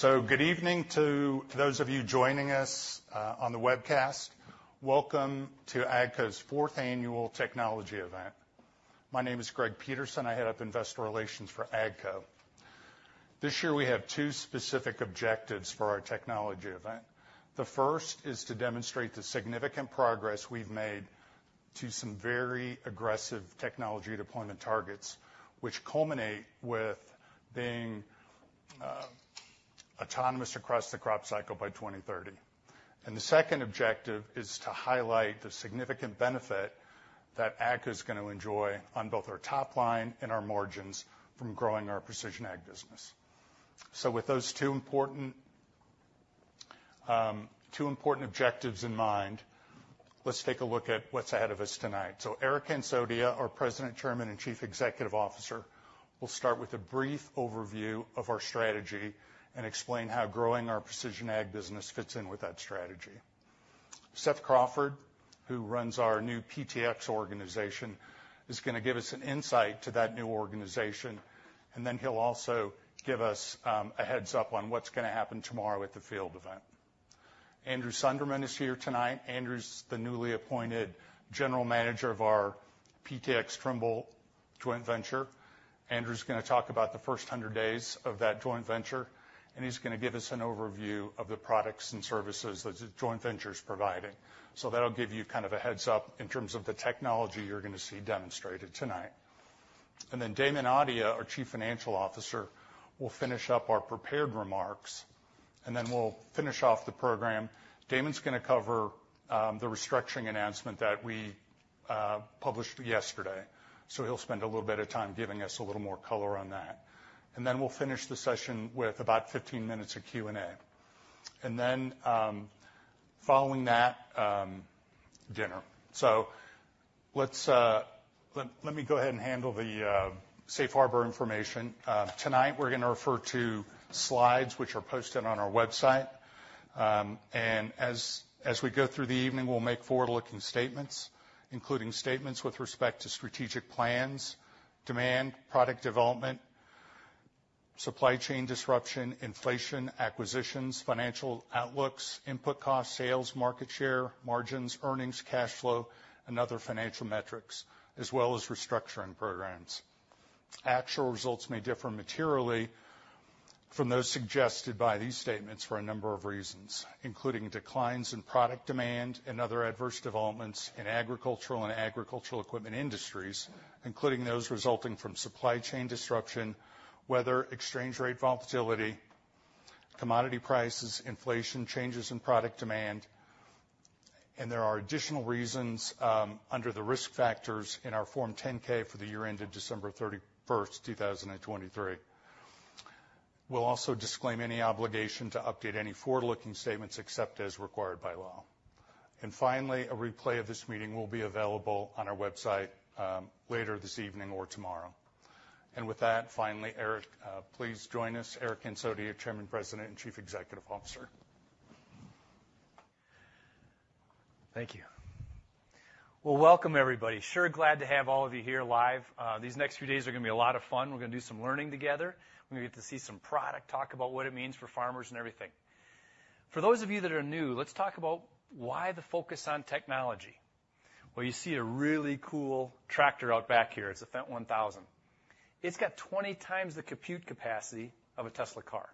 Good evening to those of you joining us on the webcast. Welcome to AGCO's fourth annual technology event. My name is Greg Peterson. I head up investor relations for AGCO. This year we have two specific objectives for our technology event. The first is to demonstrate the significant progress we've made to some very aggressive technology deployment targets, which culminate with being autonomous across the crop cycle by 2030. The second objective is to highlight the significant benefit that AGCO's gonna enjoy on both our top line and our margins from growing our Precision Ag business. With those two important, two important objectives in mind, let's take a look at what's ahead of us tonight. Eric Hansotia, our President, Chairman, and Chief Executive Officer, will start with a brief overview of our strategy and explain how growing our Precision Ag business fits in with that strategy. Seth Crawford, who runs our new PTx organization, is gonna give us an insight to that new organization, and then he'll also give us a heads-up on what's gonna happen tomorrow at the field event. Andrew Sunderman is here tonight. Andrew's the newly appointed general manager of our PTx Trimble joint venture. Andrew's gonna talk about the first 100 days of that joint venture, and he's gonna give us an overview of the products and services that the joint venture's providing. So that'll give you kind of a heads-up in terms of the technology you're gonna see demonstrated tonight. And then Damon Audia, our Chief Financial Officer, will finish up our prepared remarks, and then we'll finish off the program. Damon's gonna cover the restructuring announcement that we published yesterday. So he'll spend a little bit of time giving us a little more color on that. And then we'll finish the session with about 15 minutes of Q&A. And then, following that, dinner. So let's let me go ahead and handle the safe harbor information. Tonight we're gonna refer to slides which are posted on our website. And as we go through the evening, we'll make forward-looking statements, including statements with respect to strategic plans, demand, product development, supply chain disruption, inflation, acquisitions, financial outlooks, input costs, sales, market share, margins, earnings, cash flow, and other financial metrics, as well as restructuring programs. Actual results may differ materially from those suggested by these statements for a number of reasons, including declines in product demand and other adverse developments in agricultural and agricultural equipment industries, including those resulting from supply chain disruption, weather, exchange rate volatility, commodity prices, inflation, changes in product demand, and there are additional reasons, under the risk factors in our Form 10-K for the year ended December 31st, 2023. We'll also disclaim any obligation to update any forward-looking statements except as required by law. Finally, a replay of this meeting will be available on our website, later this evening or tomorrow. With that, finally, Eric, please join us. Eric Hansotia, Chairman, President, and Chief Executive Officer. Thank you. Well, welcome, everybody. Sure glad to have all of you here live. These next few days are gonna be a lot of fun. We're gonna do some learning together. We're gonna get to see some product, talk about what it means for farmers and everything. For those of you that are new, let's talk about why the focus on technology. Well, you see a really cool tractor out back here. It's a Fendt 1000. It's got 20 times the compute capacity of a Tesla car.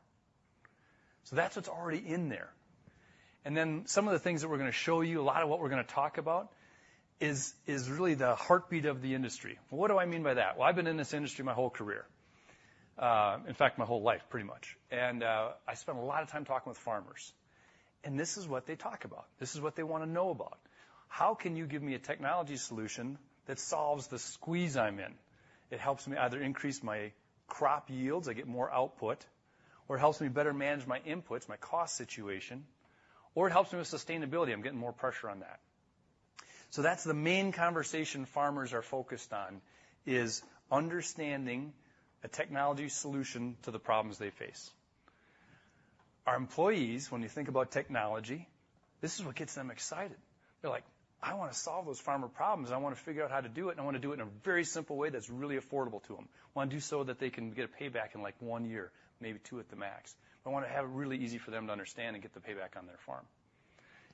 So that's what's already in there. And then some of the things that we're gonna show you, a lot of what we're gonna talk about is really the heartbeat of the industry. What do I mean by that? Well, I've been in this industry my whole career, in fact, my whole life, pretty much. I spent a lot of time talking with farmers, and this is what they talk about. This is what they wanna know about. How can you give me a technology solution that solves the squeeze I'm in? It helps me either increase my crop yields, I get more output, or it helps me better manage my inputs, my cost situation, or it helps me with sustainability. I'm getting more pressure on that. So that's the main conversation farmers are focused on is understanding a technology solution to the problems they face. Our employees, when you think about technology, this is what gets them excited. They're like, "I wanna solve those farmer problems. I wanna figure out how to do it, and I wanna do it in a very simple way that's really affordable to them. I wanna do so that they can get a payback in like one year, maybe two at the max. I wanna have it really easy for them to understand and get the payback on their farm."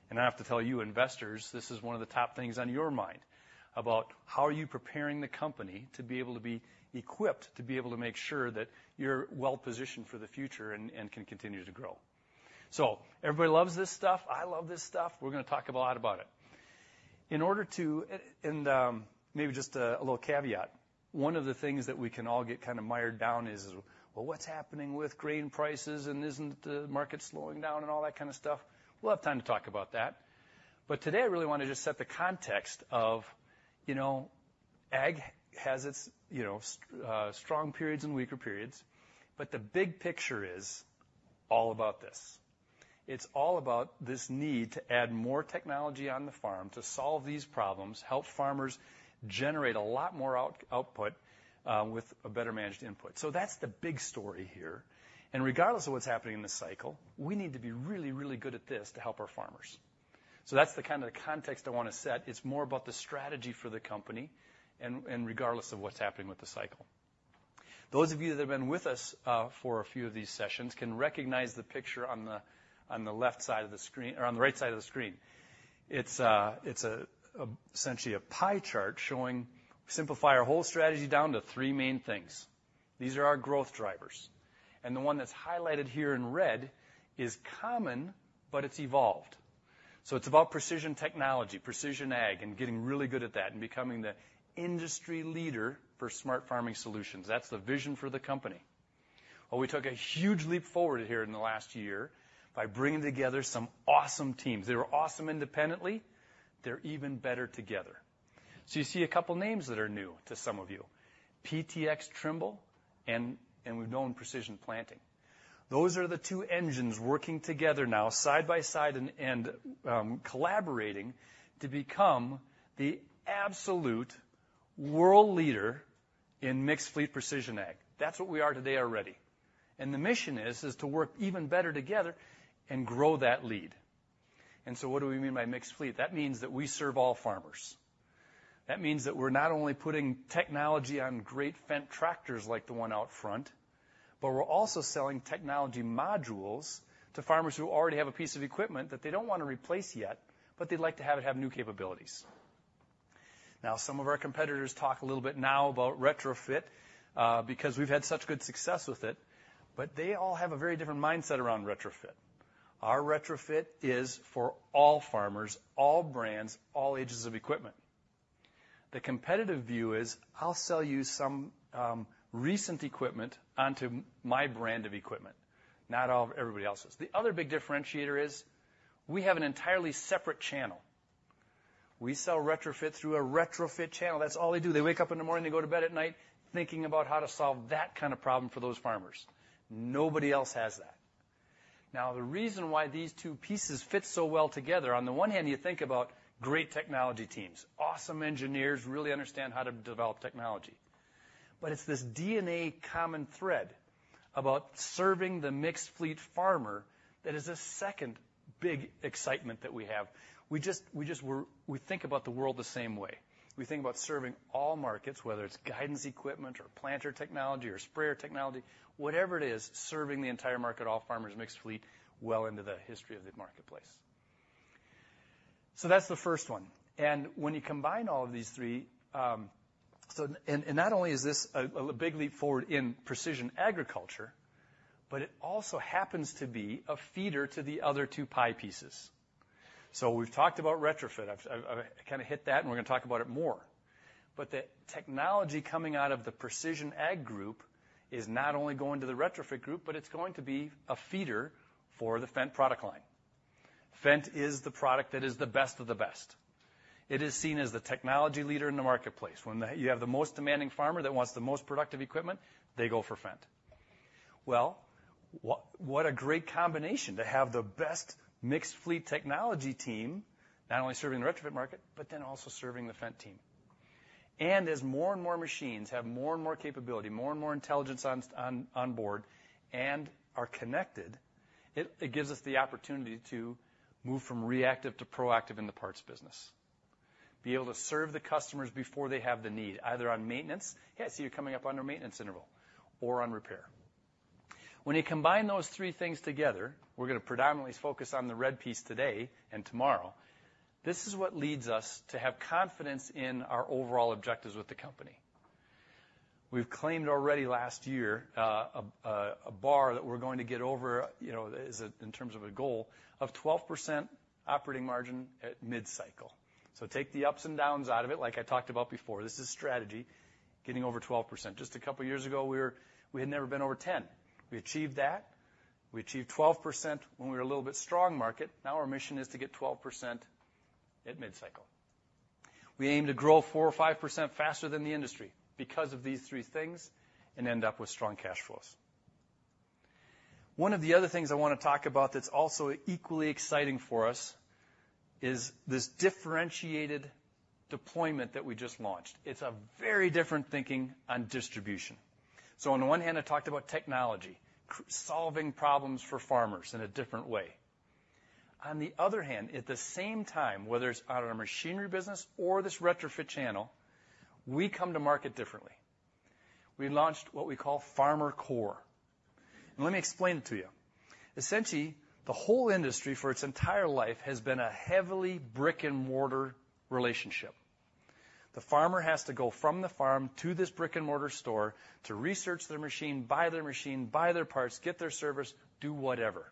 And I have to tell you, investors, this is one of the top things on your mind about how are you preparing the company to be able to be equipped to be able to make sure that you're well-positioned for the future and, and can continue to grow. So everybody loves this stuff. I love this stuff. We're gonna talk a lot about it. In order to, maybe just a little caveat, one of the things that we can all get kinda mired down is, well, what's happening with grain prices and isn't the market slowing down and all that kinda stuff? We'll have time to talk about that. But today I really wanna just set the context of, you know, ag has its, you know, strong periods and weaker periods, but the big picture is all about this. It's all about this need to add more technology on the farm to solve these problems, help farmers generate a lot more output, with a better managed input. So that's the big story here. And regardless of what's happening in this cycle, we need to be really, really good at this to help our farmers. So that's the kind of context I wanna set. It's more about the strategy for the company and regardless of what's happening with the cycle. Those of you that have been with us for a few of these sessions can recognize the picture on the left side of the screen or on the right side of the screen. It's essentially a pie chart showing simplify our whole strategy down to three main things. These are our growth drivers. The one that's highlighted here in red is common, but it's evolved. So it's about precision technology, precision ag, and getting really good at that and becoming the industry leader for smart farming solutions. That's the vision for the company. Well, we took a huge leap forward here in the last year by bringing together some awesome teams. They were awesome independently. They're even better together. So you see a couple names that are new to some of you: PTx Trimble and we've known Precision Planting. Those are the two engines working together now side by side and collaborating to become the absolute world leader in mixed fleet precision ag. That's what we are today already. The mission is to work even better together and grow that lead. So what do we mean by mixed fleet? That means that we serve all farmers. That means that we're not only putting technology on great Fendt tractors like the one out front, but we're also selling technology modules to farmers who already have a piece of equipment that they don't wanna replace yet, but they'd like to have it have new capabilities. Now, some of our competitors talk a little bit now about retrofit, because we've had such good success with it, but they all have a very different mindset around retrofit. Our retrofit is for all farmers, all brands, all ages of equipment. The competitive view is, "I'll sell you some recent equipment onto my brand of equipment, not all of everybody else's." The other big differentiator is we have an entirely separate channel. We sell retrofit through a retrofit channel. That's all they do. They wake up in the morning, they go to bed at night thinking about how to solve that kinda problem for those farmers. Nobody else has that. Now, the reason why these two pieces fit so well together, on the one hand, you think about great technology teams, awesome engineers who really understand how to develop technology, but it's this DNA common thread about serving the mixed fleet farmer that is a second big excitement that we have. We just, we're, we think about the world the same way. We think about serving all markets, whether it's guidance equipment or planter technology or sprayer technology, whatever it is, serving the entire market, all farmers, mixed fleet well into the history of the marketplace. So that's the first one. When you combine all of these three, not only is this a big leap forward in precision agriculture, but it also happens to be a feeder to the other two pie pieces. So we've talked about retrofit. I've kinda hit that, and we're gonna talk about it more. But the technology coming out of the Precision Ag group is not only going to the retrofit group, but it's going to be a feeder for the Fendt product line. Fendt is the product that is the best of the best. It is seen as the technology leader in the marketplace. When you have the most demanding farmer that wants the most productive equipment, they go for Fendt. Well, what a great combination to have the best mixed fleet technology team not only serving the retrofit market, but then also serving the Fendt team. As more and more machines have more and more capability, more and more intelligence on board and are connected, it gives us the opportunity to move from reactive to proactive in the parts business, be able to serve the customers before they have the need, either on maintenance, "Yeah, I see you're coming up on your maintenance interval," or on repair. When you combine those three things together, we're gonna predominantly focus on the red piece today and tomorrow. This is what leads us to have confidence in our overall objectives with the company. We've claimed already last year, a bar that we're going to get over, you know, is in terms of a goal of 12% operating margin at mid-cycle. So take the ups and downs out of it, like I talked about before. This is strategy, getting over 12%. Just a couple years ago, we were, we had never been over 10. We achieved that. We achieved 12% when we were a little bit strong market. Now our mission is to get 12% at mid-cycle. We aim to grow 4 or 5% faster than the industry because of these three things and end up with strong cash flows. One of the other things I wanna talk about that's also equally exciting for us is this differentiated deployment that we just launched. It's a very different thinking on distribution. So on the one hand, I talked about technology, solving problems for farmers in a different way. On the other hand, at the same time, whether it's out of our machinery business or this retrofit channel, we come to market differently. We launched what we call FarmerCore. Let me explain it to you. Essentially, the whole industry for its entire life has been a heavily brick-and-mortar relationship. The farmer has to go from the farm to this brick-and-mortar store to research their machine, buy their machine, buy their parts, get their service, do whatever,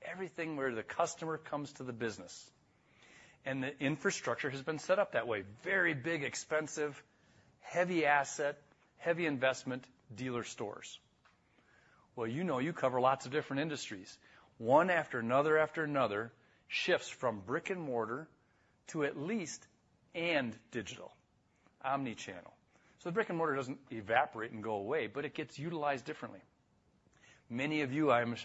everything where the customer comes to the business. And the infrastructure has been set up that way: very big, expensive, heavy asset, heavy investment dealer stores. Well, you know, you cover lots of different industries. One after another after another shifts from brick-and-mortar to at least digital, omnichannel. So brick-and-mortar doesn't evaporate and go away, but it gets utilized differently. Many of you, I'm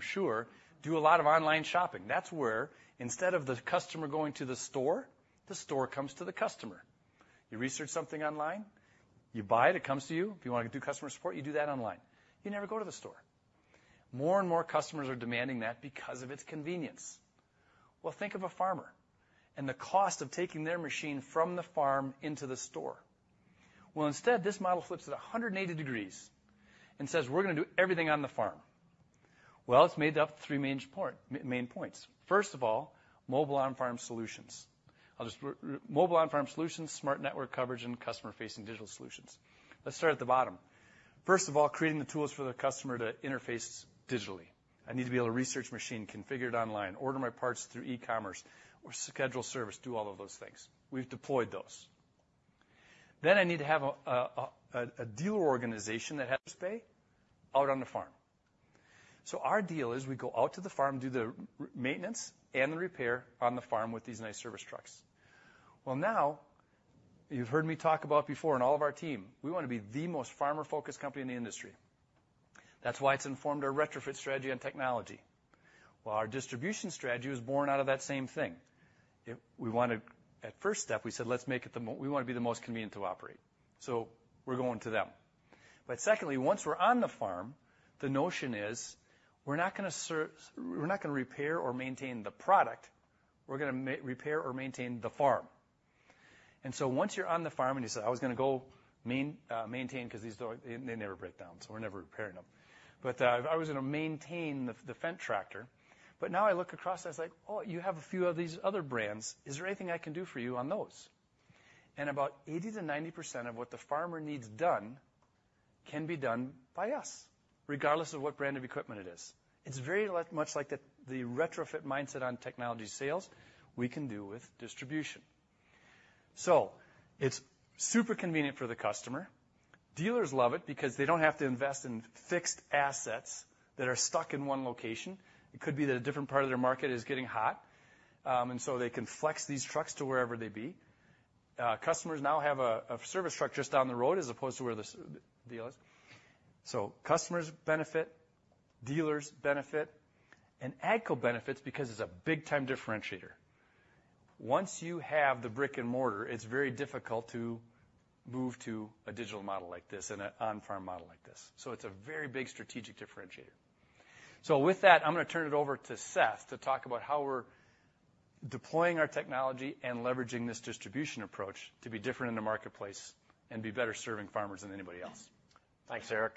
sure, do a lot of online shopping. That's where, instead of the customer going to the store, the store comes to the customer. You research something online, you buy it, it comes to you. If you wanna do customer support, you do that online. You never go to the store. More and more customers are demanding that because of its convenience. Well, think of a farmer and the cost of taking their machine from the farm into the store. Well, instead, this model flips it 180 degrees and says, "We're gonna do everything on the farm." Well, it's made up three main points. First of all, mobile on-farm solutions. I'll just reiterate mobile on-farm solutions, smart network coverage, and customer-facing digital solutions. Let's start at the bottom. First of all, creating the tools for the customer to interface digitally. I need to be able to research machine, configure it online, order my parts through E-commerce, or schedule service, do all of those things. We've deployed those. Then I need to have a dealer organization that has pay out on the farm. So our dealers go out to the farm, do the maintenance and the repair on the farm with these nice service trucks. Well, now you've heard me talk about before in all of our team, we wanna be the most farmer-focused company in the industry. That's why it's informed our retrofit strategy on technology. Well, our distribution strategy was born out of that same thing. If we wanted, at first step, we said, "Let's make it the most convenient to operate." So we're going to them. But secondly, once we're on the farm, the notion is we're not gonna repair or maintain the product. We're gonna repair or maintain the farm. And so once you're on the farm and you say, "I was gonna go maintain cause these don't, they never break down, so we're never repairing them." But I was gonna maintain the Fendt tractor. But now I look across, I was like, "Oh, you have a few of these other brands. Is there anything I can do for you on those?" And about 80%-90% of what the farmer needs done can be done by us, regardless of what brand of equipment it is. It's very much like the retrofit mindset on technology sales we can do with distribution. So it's super convenient for the customer. Dealers love it because they don't have to invest in fixed assets that are stuck in one location. It could be that a different part of their market is getting hot, and so they can flex these trucks to wherever they be. Customers now have a service truck just down the road as opposed to where the dealer is. So customers benefit, dealers benefit, and AGCO benefits because it's a big-time differentiator. Once you have the brick-and-mortar, it's very difficult to move to a digital model like this and an on-farm model like this. So it's a very big strategic differentiator. So with that, I'm gonna turn it over to Seth to talk about how we're deploying our technology and leveraging this distribution approach to be different in the marketplace and be better serving farmers than anybody else. Thanks, Eric.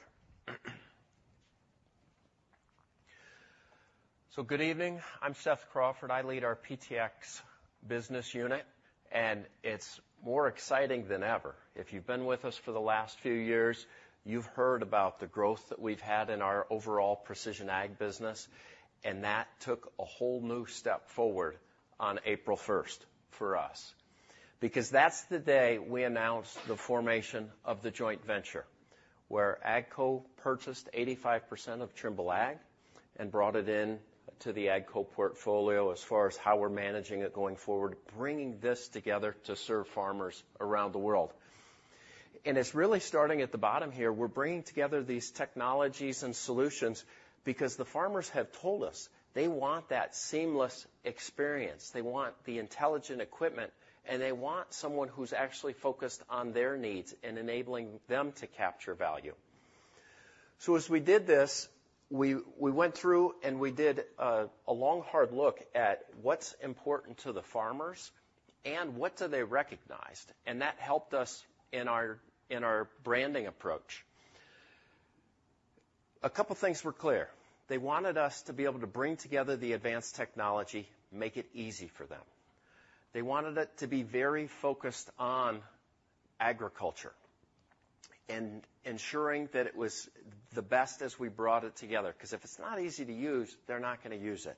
So good evening. I'm Seth Crawford. I lead our PTx business unit, and it's more exciting than ever. If you've been with us for the last few years, you've heard about the growth that we've had in our overall Precision Ag business, and that took a whole new step forward on April 1st for us because that's the day we announced the formation of the joint venture where AGCO purchased 85% of Trimble Ag and brought it into the AGCO portfolio as far as how we're managing it going forward, bringing this together to serve farmers around the world. It's really starting at the bottom here. We're bringing together these technologies and solutions because the farmers have told us they want that seamless experience. They want the intelligent equipment, and they want someone who's actually focused on their needs and enabling them to capture value. So as we did this, we went through and we did a long, hard look at what's important to the farmers and what do they recognize. That helped us in our branding approach. A couple things were clear. They wanted us to be able to bring together the advanced technology, make it easy for them. They wanted it to be very focused on agriculture and ensuring that it was the best as we brought it together cause if it's not easy to use, they're not gonna use it.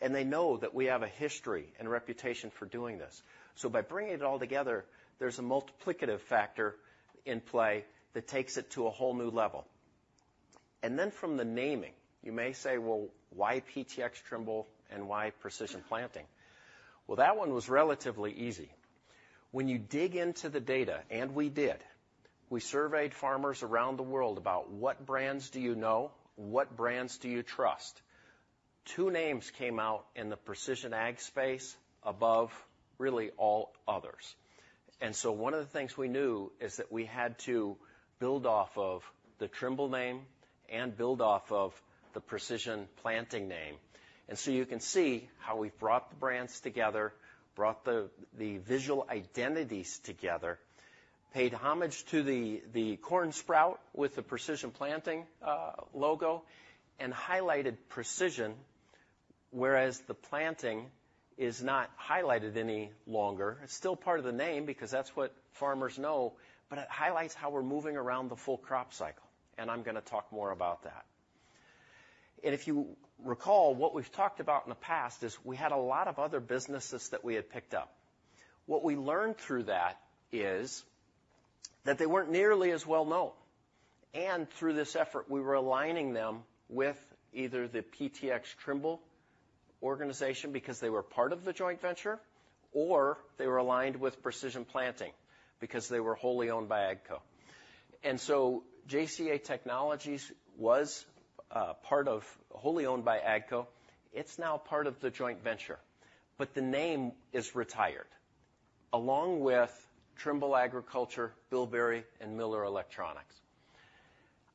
They know that we have a history and reputation for doing this. By bringing it all together, there's a multiplicative factor in play that takes it to a whole new level. Then from the naming, you may say, "Well, why PTx Trimble and why Precision Planting?" Well, that one was relatively easy. When you dig into the data, and we did, we surveyed farmers around the world about what brands do you know, what brands do you trust. Two names came out in the Precision Ag space above really all others. And so one of the things we knew is that we had to build off of the Trimble name and build off of the Precision Planting name. And so you can see how we've brought the brands together, brought the, the visual identities together, paid homage to the, the corn sprout with the Precision Planting logo, and highlighted Precision, whereas the planting is not highlighted any longer. It's still part of the name because that's what farmers know, but it highlights how we're moving around the full crop cycle. And I'm gonna talk more about that. And if you recall, what we've talked about in the past is we had a lot of other businesses that we had picked up. What we learned through that is that they weren't nearly as well known. And through this effort, we were aligning them with either the PTx Trimble organization because they were part of the joint venture, or they were aligned with Precision Planting because they were wholly owned by AGCO. And so JCA Technologies was part of wholly owned by AGCO. It's now part of the joint venture, but the name is retired along with Trimble Agriculture, Bilberry, and Müller-Elektronik.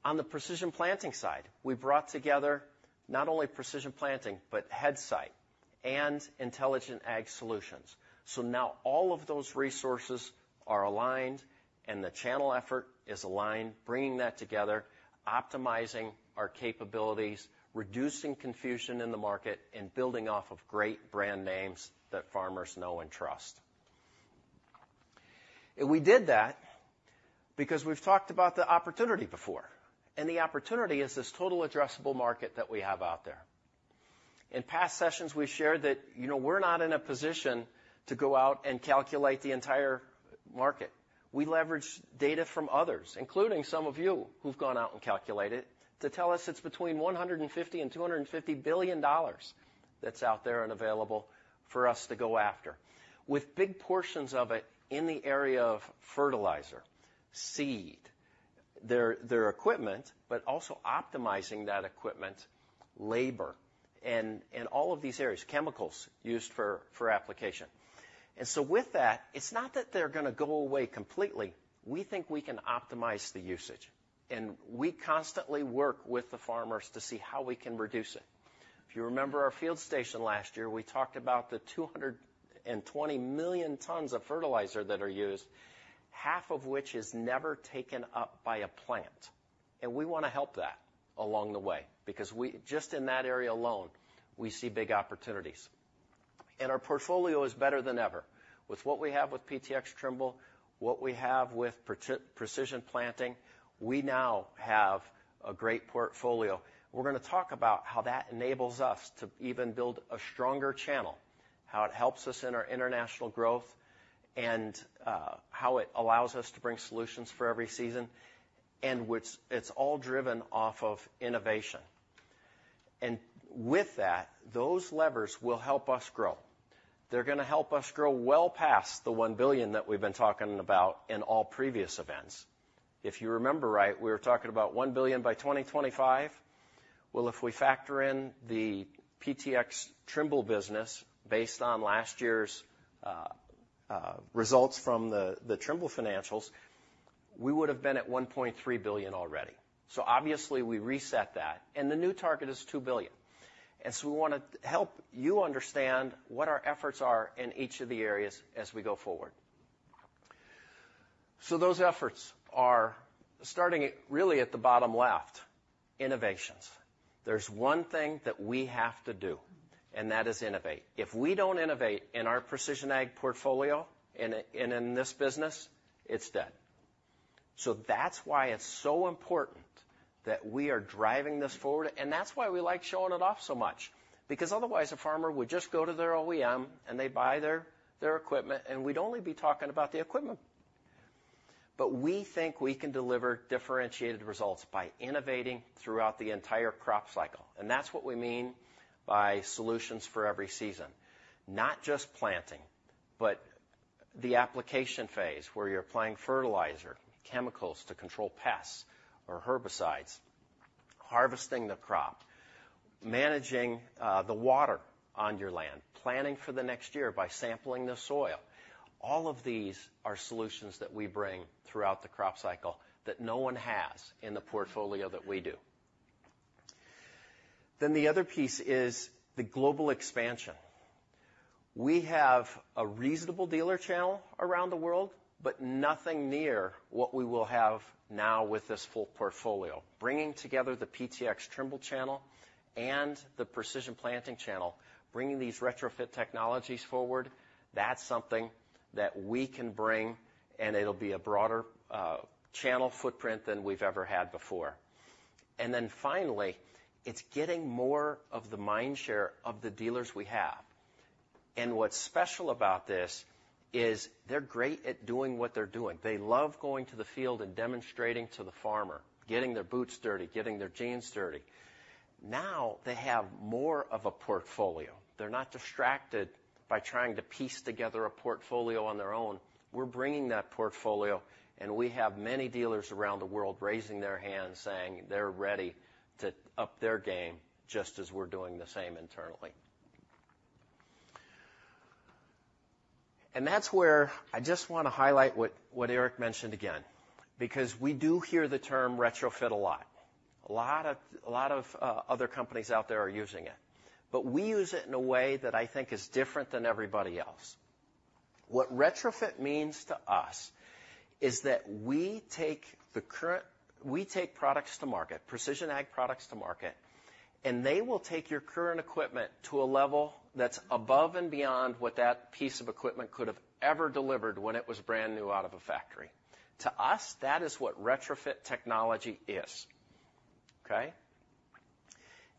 On the Precision Planting side, we brought together not only Precision Planting, but Headsight and Intelligent Ag Solutions. So now all of those resources are aligned, and the channel effort is aligned, bringing that together, optimizing our capabilities, reducing confusion in the market, and building off of great brand names that farmers know and trust. And we did that because we've talked about the opportunity before. And the opportunity is this total addressable market that we have out there. In past sessions, we've shared that, you know, we're not in a position to go out and calculate the entire market. We leverage data from others, including some of you who've gone out and calculated to tell us it's between $150 billion and $250 billion that's out there and available for us to go after, with big portions of it in the area of fertilizer, seed, their, their equipment, but also optimizing that equipment, labor, and, and all of these areas, chemicals used for, for application. And so with that, it's not that they're gonna go away completely. We think we can optimize the usage, and we constantly work with the farmers to see how we can reduce it. If you remember our field station last year, we talked about the 220 million tons of fertilizer that are used, half of which is never taken up by a plant. We wanna help that along the way because we just in that area alone, we see big opportunities. Our portfolio is better than ever. With what we have with PTx Trimble, what we have with Precision Planting, we now have a great portfolio. We're gonna talk about how that enables us to even build a stronger channel, how it helps us in our international growth, and how it allows us to bring solutions for every season. It's all driven off of innovation. And with that, those levers will help us grow. They're gonna help us grow well past the $1 billion that we've been talking about in all previous events. If you remember right, we were talking about $1 billion by 2025. Well, if we factor in the PTx Trimble business based on last year's results from the Trimble financials, we would've been at $1.3 billion already. So obviously, we reset that, and the new target is $2 billion. And so we wanna help you understand what our efforts are in each of the areas as we go forward. So those efforts are starting really at the bottom left, innovations. There's one thing that we have to do, and that is innovate. If we don't innovate in our Precision Ag portfolio and in this business, it's dead. So that's why it's so important that we are driving this forward. And that's why we like showing it off so much because otherwise, a farmer would just go to their OEM and they'd buy their, their equipment, and we'd only be talking about the equipment. But we think we can deliver differentiated results by innovating throughout the entire crop cycle. And that's what we mean by solutions for every season, not just planting, but the application phase where you're applying fertilizer, chemicals to control pests or herbicides, harvesting the crop, managing the water on your land, planning for the next year by sampling the soil. All of these are solutions that we bring throughout the crop cycle that no one has in the portfolio that we do. Then the other piece is the global expansion. We have a reasonable dealer channel around the world, but nothing near what we will have now with this full portfolio. Bringing together the PTx Trimble channel and the Precision Planting channel, bringing these retrofit technologies forward, that's something that we can bring, and it'll be a broader channel footprint than we've ever had before. And then finally, it's getting more of the mind share of the dealers we have. And what's special about this is they're great at doing what they're doing. They love going to the field and demonstrating to the farmer, getting their boots dirty, getting their jeans dirty. Now they have more of a portfolio. They're not distracted by trying to piece together a portfolio on their own. We're bringing that portfolio, and we have many dealers around the world raising their hands saying they're ready to up their game just as we're doing the same internally. And that's where I just wanna highlight what, what Eric mentioned again because we do hear the term retrofit a lot. A lot of, a lot of, other companies out there are using it, but we use it in a way that I think is different than everybody else. What retrofit means to us is that we take the current, we take products to market, Precision Ag products to market, and they will take your current equipment to a level that's above and beyond what that piece of equipment could have ever delivered when it was brand new out of a factory. To us, that is what retrofit technology is, okay?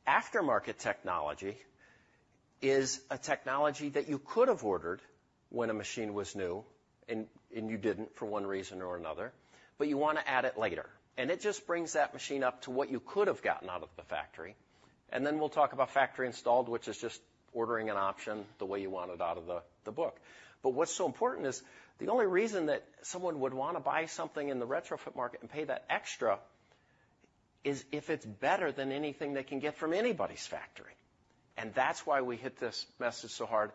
Aftermarket technology is a technology that you could have ordered when a machine was new and, and you didn't for one reason or another, but you wanna add it later. And it just brings that machine up to what you could have gotten out of the factory. And then we'll talk about factory installed, which is just ordering an option the way you want it out of the book. But what's so important is the only reason that someone would wanna buy something in the retrofit market and pay that extra is if it's better than anything they can get from anybody's factory. And that's why we hit this message so hard.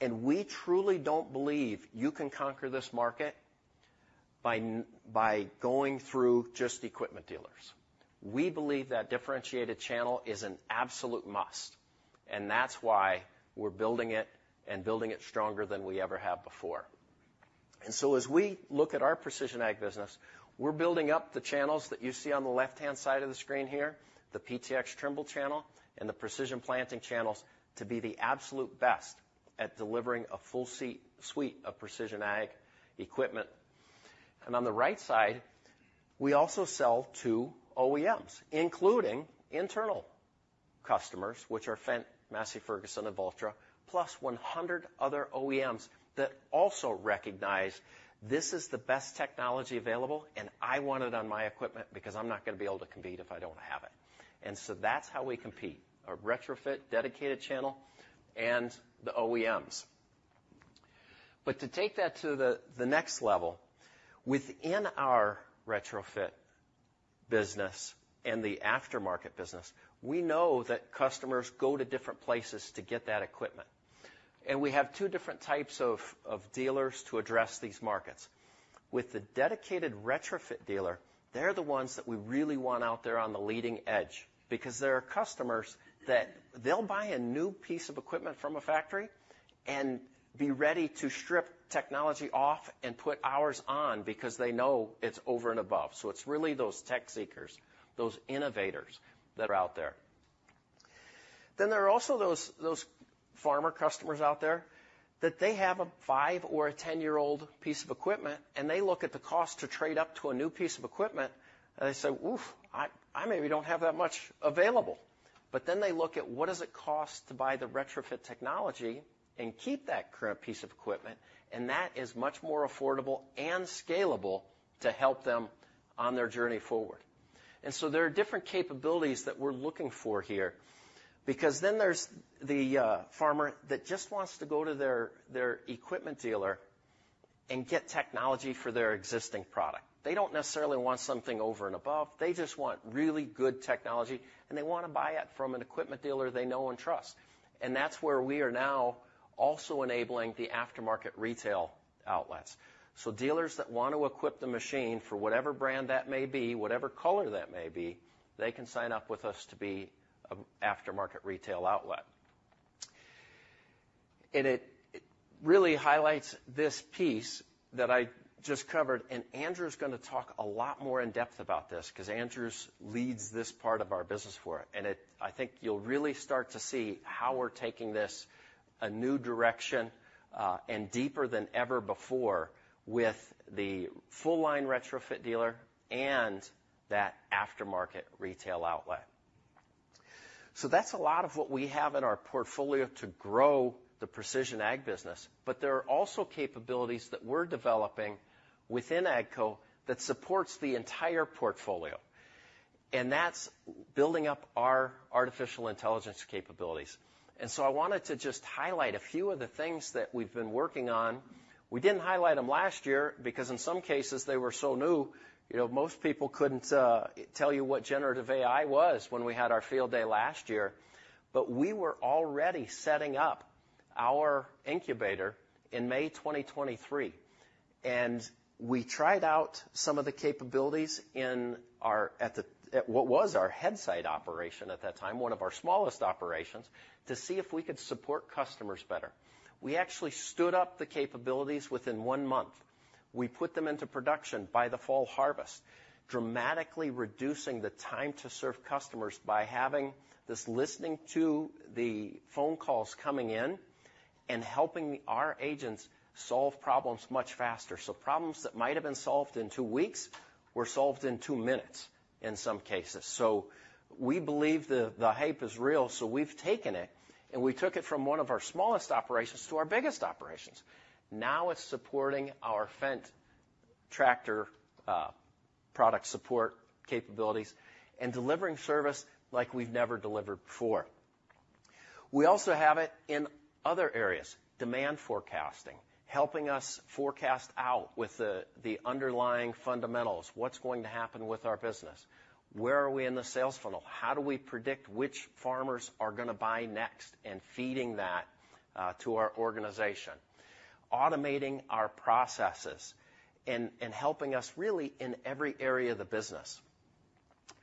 And we truly don't believe you can conquer this market by going through just equipment dealers. We believe that differentiated channel is an absolute must, and that's why we're building it and building it stronger than we ever have before. And so as we look at our Precision Ag business, we're building up the channels that you see on the left-hand side of the screen here, the PTx Trimble channel and the Precision Planting channels to be the absolute best at delivering a full suite of precision ag equipment. And on the right side, we also sell to OEMs, including internal customers, which are Fendt, Massey Ferguson, and Valtra, plus 100 other OEMs that also recognize this is the best technology available, and I want it on my equipment because I'm not gonna be able to compete if I don't have it. And so that's how we compete: a retrofit, dedicated channel, and the OEMs. But to take that to the next level, within our retrofit business and the aftermarket business, we know that customers go to different places to get that equipment. And we have two different types of dealers to address these markets. With the dedicated retrofit dealer, they're the ones that we really want out there on the leading edge because there are customers that they'll buy a new piece of equipment from a factory and be ready to strip technology off and put ours on because they know it's over and above. So it's really those tech seekers, those innovators that are out there. Then there are also those, those farmer customers out there that they have a 5- or 10-year-old piece of equipment, and they look at the cost to trade up to a new piece of equipment, and they say, "Woof, I, I maybe don't have that much available." But then they look at what does it cost to buy the retrofit technology and keep that current piece of equipment, and that is much more affordable and scalable to help them on their journey forward. And so there are different capabilities that we're looking for here because then there's the farmer that just wants to go to their equipment dealer and get technology for their existing product. They don't necessarily want something over and above. They just want really good technology, and they wanna buy it from an equipment dealer they know and trust. That's where we are now also enabling the aftermarket retail outlets. Dealers that wanna equip the machine for whatever brand that may be, whatever color that may be, they can sign up with us to be an aftermarket retail outlet. It really highlights this piece that I just covered, and Andrew's gonna talk a lot more in depth about this cause Andrew leads this part of our business for it. It, I think you'll really start to see how we're taking this a new direction, and deeper than ever before with the full-line retrofit dealer and that aftermarket retail outlet. That's a lot of what we have in our portfolio to grow the Precision Ag business, but there are also capabilities that we're developing within AGCO that supports the entire portfolio, and that's building up our artificial intelligence capabilities. I wanted to just highlight a few of the things that we've been working on. We didn't highlight them last year because in some cases, they were so new, you know, most people couldn't tell you what Generative AI was when we had our field day last year. But we were already setting up our incubator in May 2023, and we tried out some of the capabilities in our, at what was our Headsight operation at that time, one of our smallest operations, to see if we could support customers better. We actually stood up the capabilities within one month. We put them into production by the fall harvest, dramatically reducing the time to serve customers by having this listening to the phone calls coming in and helping our agents solve problems much faster. So problems that might have been solved in two weeks were solved in two minutes in some cases. So we believe the, the hype is real. So we've taken it, and we took it from one of our smallest operations to our biggest operations. Now it's supporting our Fendt tractor product support capabilities and delivering service like we've never delivered before. We also have it in other areas: demand forecasting, helping us forecast out with the, the underlying fundamentals, what's going to happen with our business, where are we in the sales funnel, how do we predict which farmers are gonna buy next, and feeding that, to our organization, automating our processes and, and helping us really in every area of the business.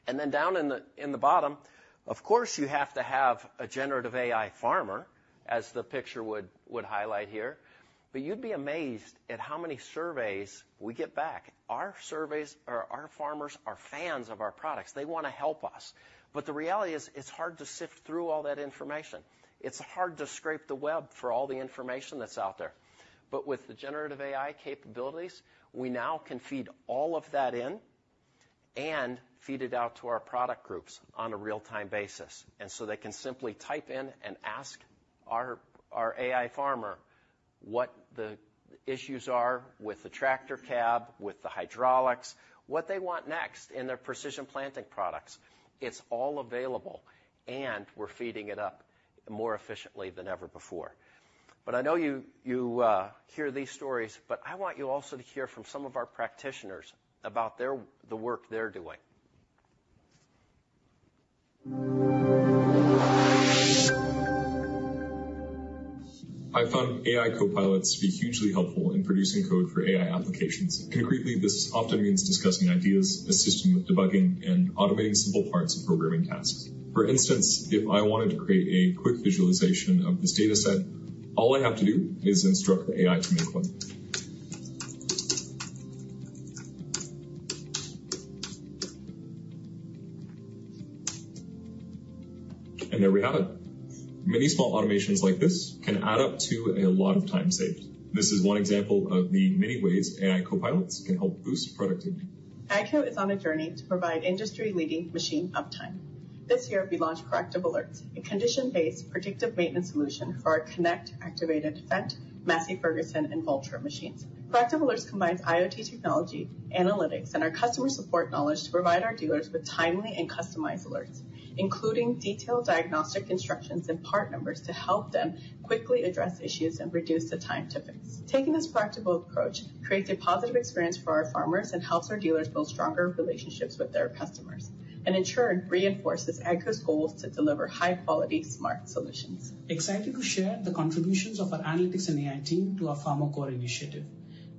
And then down in the, in the bottom, of course, you have to have a generative AI farmer, as the picture would, would highlight here. But you'd be amazed at how many surveys we get back. Our surveys are our farmers are fans of our products. They wanna help us. But the reality is it's hard to sift through all that information. It's hard to scrape the web for all the information that's out there. But with the generative AI capabilities, we now can feed all of that in and feed it out to our product groups on a real-time basis. And so they can simply type in and ask our AI farmer what the issues are with the tractor cab, with the hydraulics, what they want next in their Precision Planting products. It's all available, and we're feeding it up more efficiently than ever before. But I know you hear these stories, but I want you also to hear from some of our practitioners about the work they're doing. I found AI copilots to be hugely helpful in producing code for AI applications. Concretely, this often means discussing ideas, assisting with debugging, and automating simple parts of programming tasks. For instance, if I wanted to create a quick visualization of this data set, all I have to do is instruct the AI to make one. There we have it. Many small automations like this can add up to a lot of time saved. This is one example of the many ways AI copilots can help boost productivity. AGCO is on a journey to provide industry-leading machine uptime. This year, we launched Corrective Alerts, a condition-based predictive maintenance solution for our Connect-activated, Fendt, Massey Ferguson, and Valtra machines. Corrective Alerts combines IoT technology, analytics, and our customer support knowledge to provide our dealers with timely and customized alerts, including detailed diagnostic instructions and part numbers to help them quickly address issues and reduce the time to fix. Taking this practical approach creates a positive experience for our farmers and helps our dealers build stronger relationships with their customers and, in turn, reinforces AGCO's goals to deliver high-quality, smart solutions. Excited to share the contributions of our analytics and AI team to our FarmerCore initiative.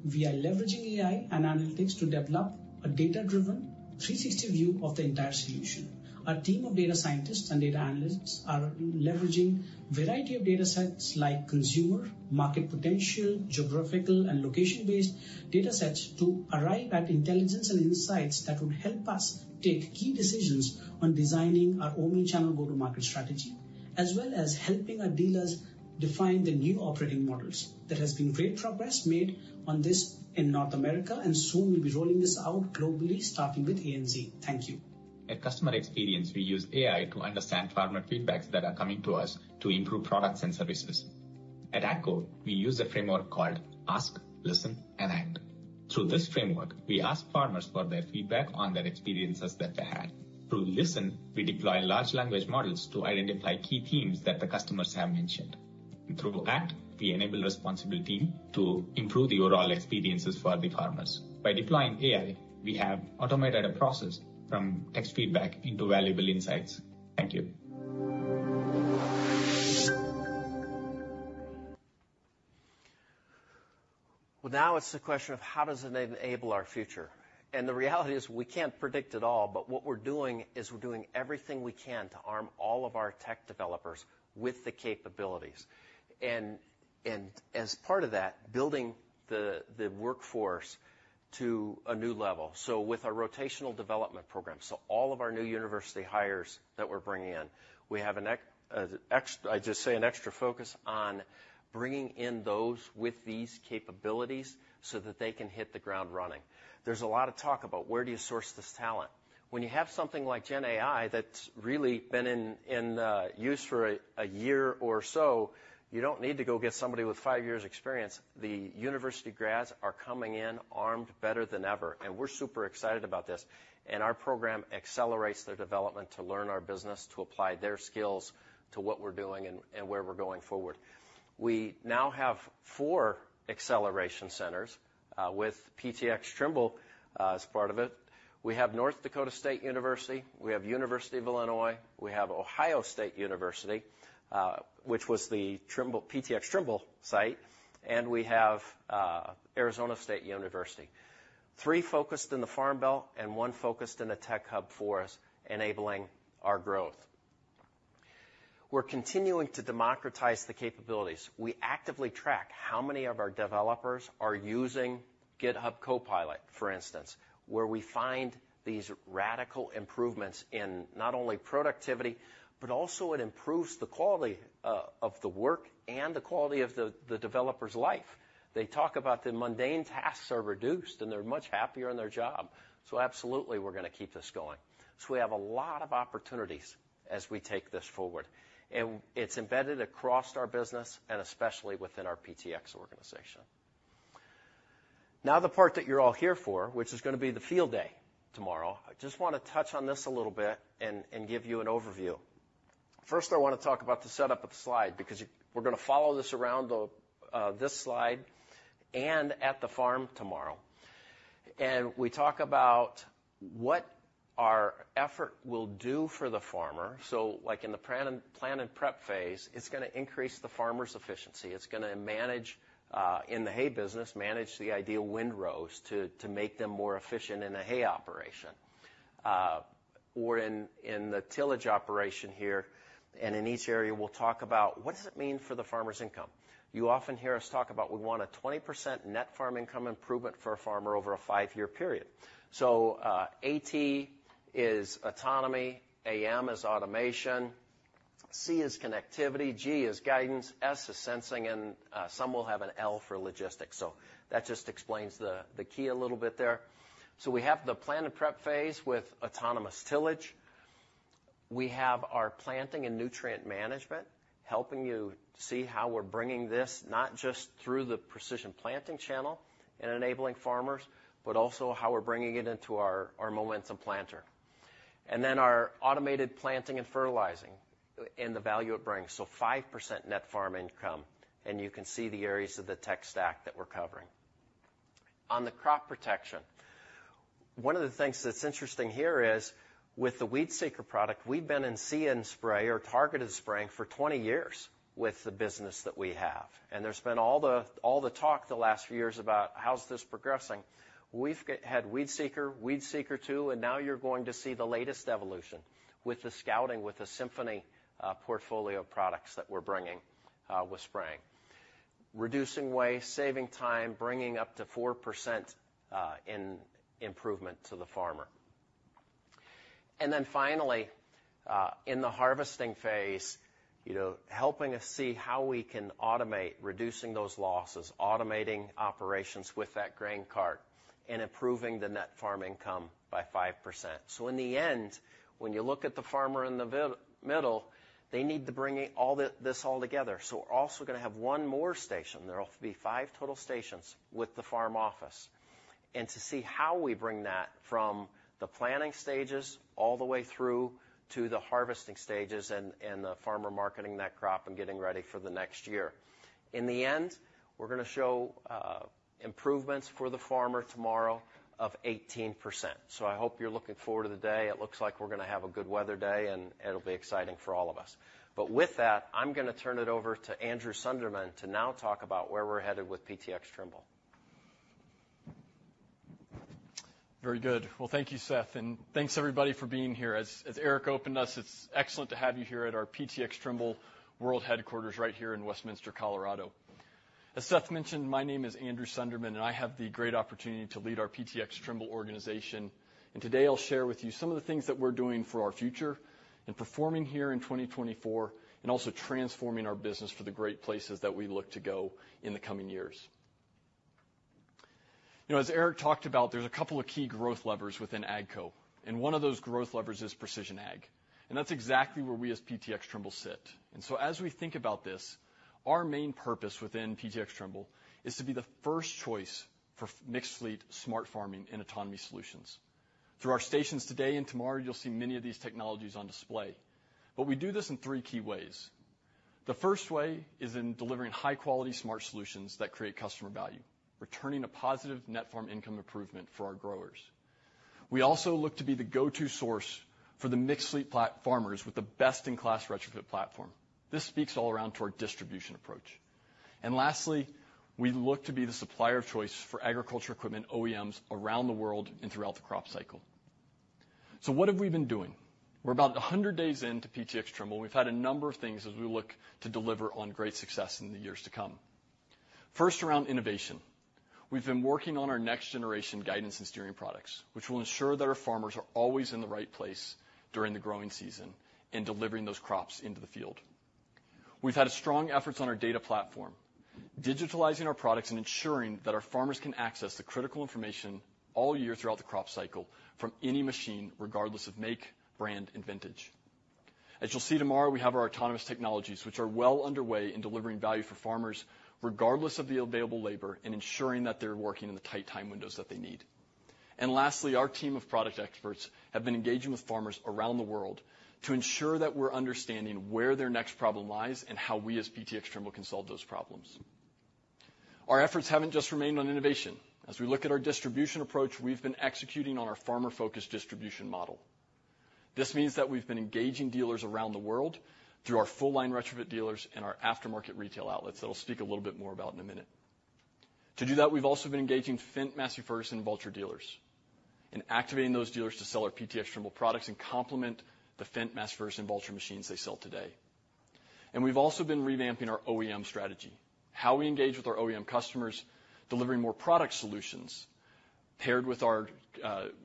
We are leveraging AI and analytics to develop a data-driven, 360-degree view of the entire solution. Our team of data scientists and data analysts are leveraging a variety of data sets like consumer, market potential, geographical, and location-based data sets to arrive at intelligence and insights that would help us take key decisions on designing our omnichannel go-to-market strategy, as well as helping our dealers define the new operating models. There has been great progress made on this in North America, and soon we'll be rolling this out globally, starting with ANZ. Thank you. At Customer Experience, we use AI to understand farmer feedbacks that are coming to us to improve products and services. At AGCO, we use a framework called Ask, Listen, and Act. Through this framework, we ask farmers for their feedback on their experiences that they had. Through Listen, we deploy large language models to identify key themes that the customers have mentioned. Through AGCO, we enable responsible teams to improve the overall experiences for the farmers. By deploying AI, we have automated a process from text feedback into valuable insights. Thank you. Well, now it's the question of how does it enable our future? And the reality is we can't predict it all, but what we're doing is we're doing everything we can to arm all of our tech developers with the capabilities. And as part of that, building the workforce to a new level. So with our rotational development program, so all of our new university hires that we're bringing in, we have an extra focus on bringing in those with these capabilities so that they can hit the ground running. There's a lot of talk about where do you source this talent. When you have something like GenAI that's really been in use for a year or so, you don't need to go get somebody with five years' experience. The university grads are coming in armed better than ever, and we're super excited about this. Our program accelerates their development to learn our business, to apply their skills to what we're doing and where we're going forward. We now have four acceleration centers, with PTx Trimble, as part of it. We have North Dakota State University, we have University of Illinois, we have Ohio State University, which was the Trimble, PTx Trimble site, and we have Arizona State University. Three focused in the Farm Belt and one focused in the tech hub for us, enabling our growth. We're continuing to democratize the capabilities. We actively track how many of our developers are using GitHub Copilot, for instance, where we find these radical improvements in not only productivity, but also it improves the quality of the work and the quality of the developer's life. They talk about the mundane tasks are reduced, and they're much happier in their job. So absolutely, we're gonna keep this going. So we have a lot of opportunities as we take this forward, and it's embedded across our business and especially within our PTx organization. Now, the part that you're all here for, which is gonna be the field day tomorrow, I just wanna touch on this a little bit and give you an overview. First, I wanna talk about the setup of the slide because we're gonna follow this around this slide and at the farm tomorrow. And we talk about what our effort will do for the farmer. So like in the plan and prep phase, it's gonna increase the farmer's efficiency. It's gonna manage, in the hay business, the ideal windrows to make them more efficient in a hay operation, or in the tillage operation here. And in each area, we'll talk about what does it mean for the farmer's income. You often hear us talk about we want a 20% net farm income improvement for a farmer over a five-year period. So, AT is autonomy, AM is automation, C is connectivity, G is guidance, S is sensing, and some will have an L for logistics. So that just explains the key a little bit there. So we have the plan and prep phase with autonomous tillage. We have our planting and nutrient management helping you see how we're bringing this not just through the Precision Planting channel and enabling farmers, but also how we're bringing it into our, our Momentum planter. Then our automated planting and fertilizing and the value it brings. 5% net farm income, and you can see the areas of the tech stack that we're covering. On the crop protection, one of the things that's interesting here is with the WeedSeeker product, we've been in see and spray or targeted spraying for 20 years with the business that we have. And there's been all the, all the talk the last few years about how's this progressing. We've had WeedSeeker, WeedSeeker 2, and now you're going to see the latest evolution with the scouting, with the Symphony, portfolio products that we're bringing, with spraying. Reducing waste, saving time, bringing up to 4% in improvement to the farmer. And then finally, in the harvesting phase, you know, helping us see how we can automate, reducing those losses, automating operations with that grain cart and improving the net farm income by 5%. So in the end, when you look at the farmer in the middle, they need to bring all this all together. So we're also gonna have one more station. There'll be five total stations with the farm office. And to see how we bring that from the planning stages all the way through to the harvesting stages and, and the farmer marketing that crop and getting ready for the next year. In the end, we're gonna show improvements for the farmer tomorrow of 18%. So I hope you're looking forward to the day. It looks like we're gonna have a good weather day, and it'll be exciting for all of us. But with that, I'm gonna turn it over to Andrew Sunderman to now talk about where we're headed with PTx Trimble. Very good. Well, thank you, Seth, and thanks everybody for being here. As Eric opened us, it's excellent to have you here at our PTx Trimble World headquarters right here in Westminster, Colorado. As Seth mentioned, my name is Andrew Sunderman, and I have the great opportunity to lead our PTx Trimble organization. And today, I'll share with you some of the things that we're doing for our future and performing here in 2024 and also transforming our business for the great places that we look to go in the coming years. You know, as Eric talked about, there's a couple of key growth levers within AGCO, and one of those growth levers is Precision Ag. And that's exactly where we as PTx Trimble sit. And so as we think about this, our main purpose within PTx Trimble is to be the first choice for mixed fleet smart farming and autonomy solutions. Through our stations today and tomorrow, you'll see many of these technologies on display. But we do this in three key ways. The first way is in delivering high-quality smart solutions that create customer value, returning a positive net farm income improvement for our growers. We also look to be the go-to source for the mixed fleet platform farmers with the best-in-class retrofit platform. This speaks all around to our distribution approach. And lastly, we look to be the supplier of choice for agriculture equipment OEMs around the world and throughout the crop cycle. So what have we been doing? We're about 100 days into PTx Trimble. We've had a number of things as we look to deliver on great success in the years to come. First, around innovation, we've been working on our next-generation guidance and steering products, which will ensure that our farmers are always in the right place during the growing season and delivering those crops into the field. We've had strong efforts on our data platform, digitalizing our products and ensuring that our farmers can access the critical information all year throughout the crop cycle from any machine, regardless of make, brand, and vintage. As you'll see tomorrow, we have our autonomous technologies, which are well underway in delivering value for farmers, regardless of the available labor, and ensuring that they're working in the tight time windows that they need. And lastly, our team of product experts have been engaging with farmers around the world to ensure that we're understanding where their next problem lies and how we as PTx Trimble can solve those problems. Our efforts haven't just remained on innovation. As we look at our distribution approach, we've been executing on our farmer-focused distribution model. This means that we've been engaging dealers around the world through our full-line retrofit dealers and our aftermarket retail outlets that I'll speak a little bit more about in a minute. To do that, we've also been engaging Fendt, Massey Ferguson, and Valtra dealers and activating those dealers to sell our PTx Trimble products and complement the Fendt, Massey Ferguson, and Valtra machines they sell today. We've also been revamping our OEM strategy, how we engage with our OEM customers, delivering more product solutions paired with our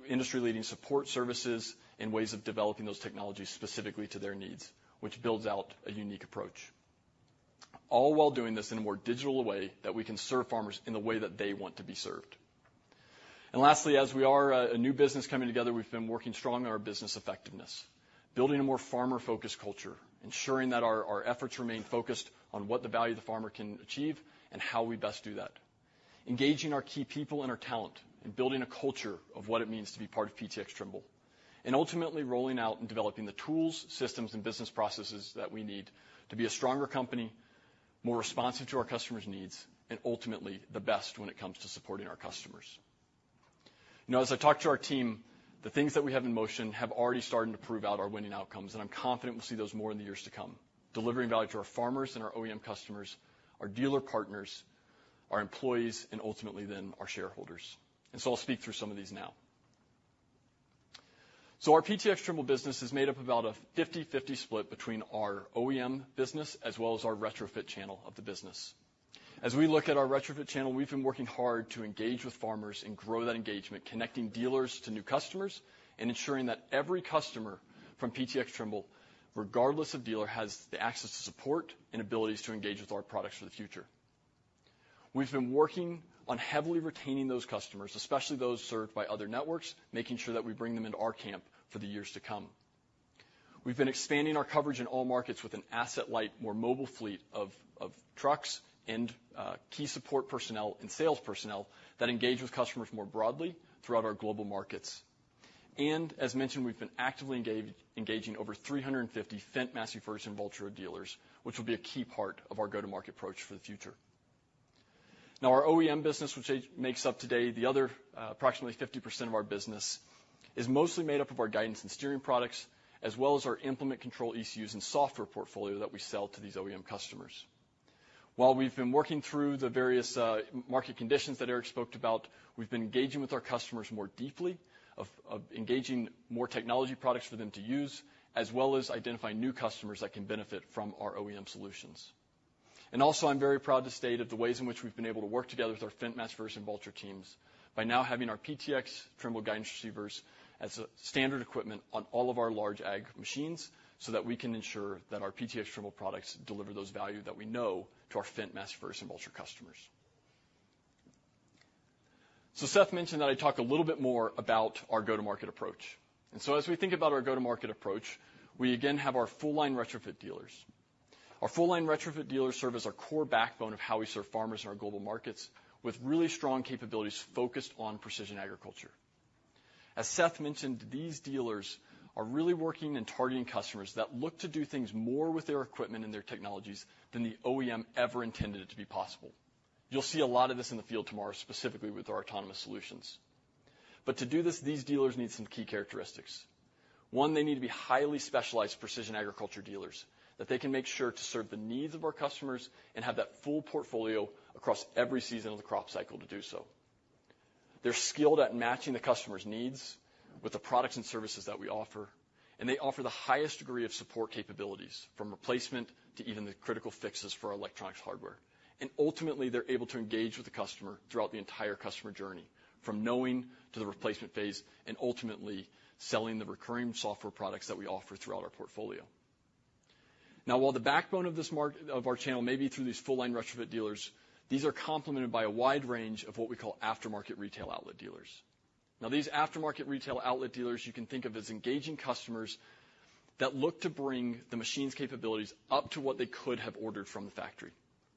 industry-leading support services and ways of developing those technologies specifically to their needs, which builds out a unique approach, all while doing this in a more digital way that we can serve farmers in the way that they want to be served. And lastly, as we are a new business coming together, we've been working strong on our business effectiveness, building a more farmer-focused culture, ensuring that our efforts remain focused on what the value the farmer can achieve and how we best do that, engaging our key people and our talent and building a culture of what it means to be part of PTx Trimble and ultimately rolling out and developing the tools, systems, and business processes that we need to be a stronger company, more responsive to our customers' needs, and ultimately the best when it comes to supporting our customers. You know, as I talk to our team, the things that we have in motion have already started to prove out our winning outcomes, and I'm confident we'll see those more in the years to come, delivering value to our farmers and our OEM customers, our dealer partners, our employees, and ultimately then our shareholders. And so I'll speak through some of these now. So our PTx Trimble business is made up about a 50/50 split between our OEM business as well as our retrofit channel of the business. As we look at our retrofit channel, we've been working hard to engage with farmers and grow that engagement, connecting dealers to new customers and ensuring that every customer from PTx Trimble, regardless of dealer, has the access to support and abilities to engage with our products for the future. We've been working on heavily retaining those customers, especially those served by other networks, making sure that we bring them into our camp for the years to come. We've been expanding our coverage in all markets with an asset-light, more mobile fleet of trucks and key support personnel and sales personnel that engage with customers more broadly throughout our global markets. And as mentioned, we've been actively engaging over 350 Fendt, Massey Ferguson, and Valtra dealers, which will be a key part of our go-to-market approach for the future. Now, our OEM business, which makes up today the other approximately 50% of our business, is mostly made up of our guidance and steering products as well as our implement control ECUs and software portfolio that we sell to these OEM customers. While we've been working through the various market conditions that Eric spoke about, we've been engaging with our customers more deeply by engaging more technology products for them to use, as well as identifying new customers that can benefit from our OEM solutions. Also, I'm very proud to state some of the ways in which we've been able to work together with our Fendt, Massey Ferguson, and Valtra teams by now having our PTx Trimble guidance receivers as standard equipment on all of our large ag machines so that we can ensure that our PTx Trimble products deliver that value that we know we owe to our Fendt, Massey Ferguson, and Valtra customers. Seth mentioned that I talk a little bit more about our go-to-market approach. So as we think about our go-to-market approach, we again have our full-line retrofit dealers. Our full-line retrofit dealers serve as our core backbone of how we serve farmers in our global markets with really strong capabilities focused on precision agriculture. As Seth mentioned, these dealers are really working and targeting customers that look to do things more with their equipment and their technologies than the OEM ever intended it to be possible. You'll see a lot of this in the field tomorrow, specifically with our autonomous solutions. But to do this, these dealers need some key characteristics. One, they need to be highly specialized precision agriculture dealers that they can make sure to serve the needs of our customers and have that full portfolio across every season of the crop cycle to do so. They're skilled at matching the customer's needs with the products and services that we offer, and they offer the highest degree of support capabilities from replacement to even the critical fixes for our electronics hardware. Ultimately, they're able to engage with the customer throughout the entire customer journey, from knowing to the replacement phase and ultimately selling the recurring software products that we offer throughout our portfolio. Now, while the backbone of this market of our channel may be through these full-line retrofit dealers, these are complemented by a wide range of what we call aftermarket retail outlet dealers. Now, these aftermarket retail outlet dealers, you can think of as engaging customers that look to bring the machine's capabilities up to what they could have ordered from the factory.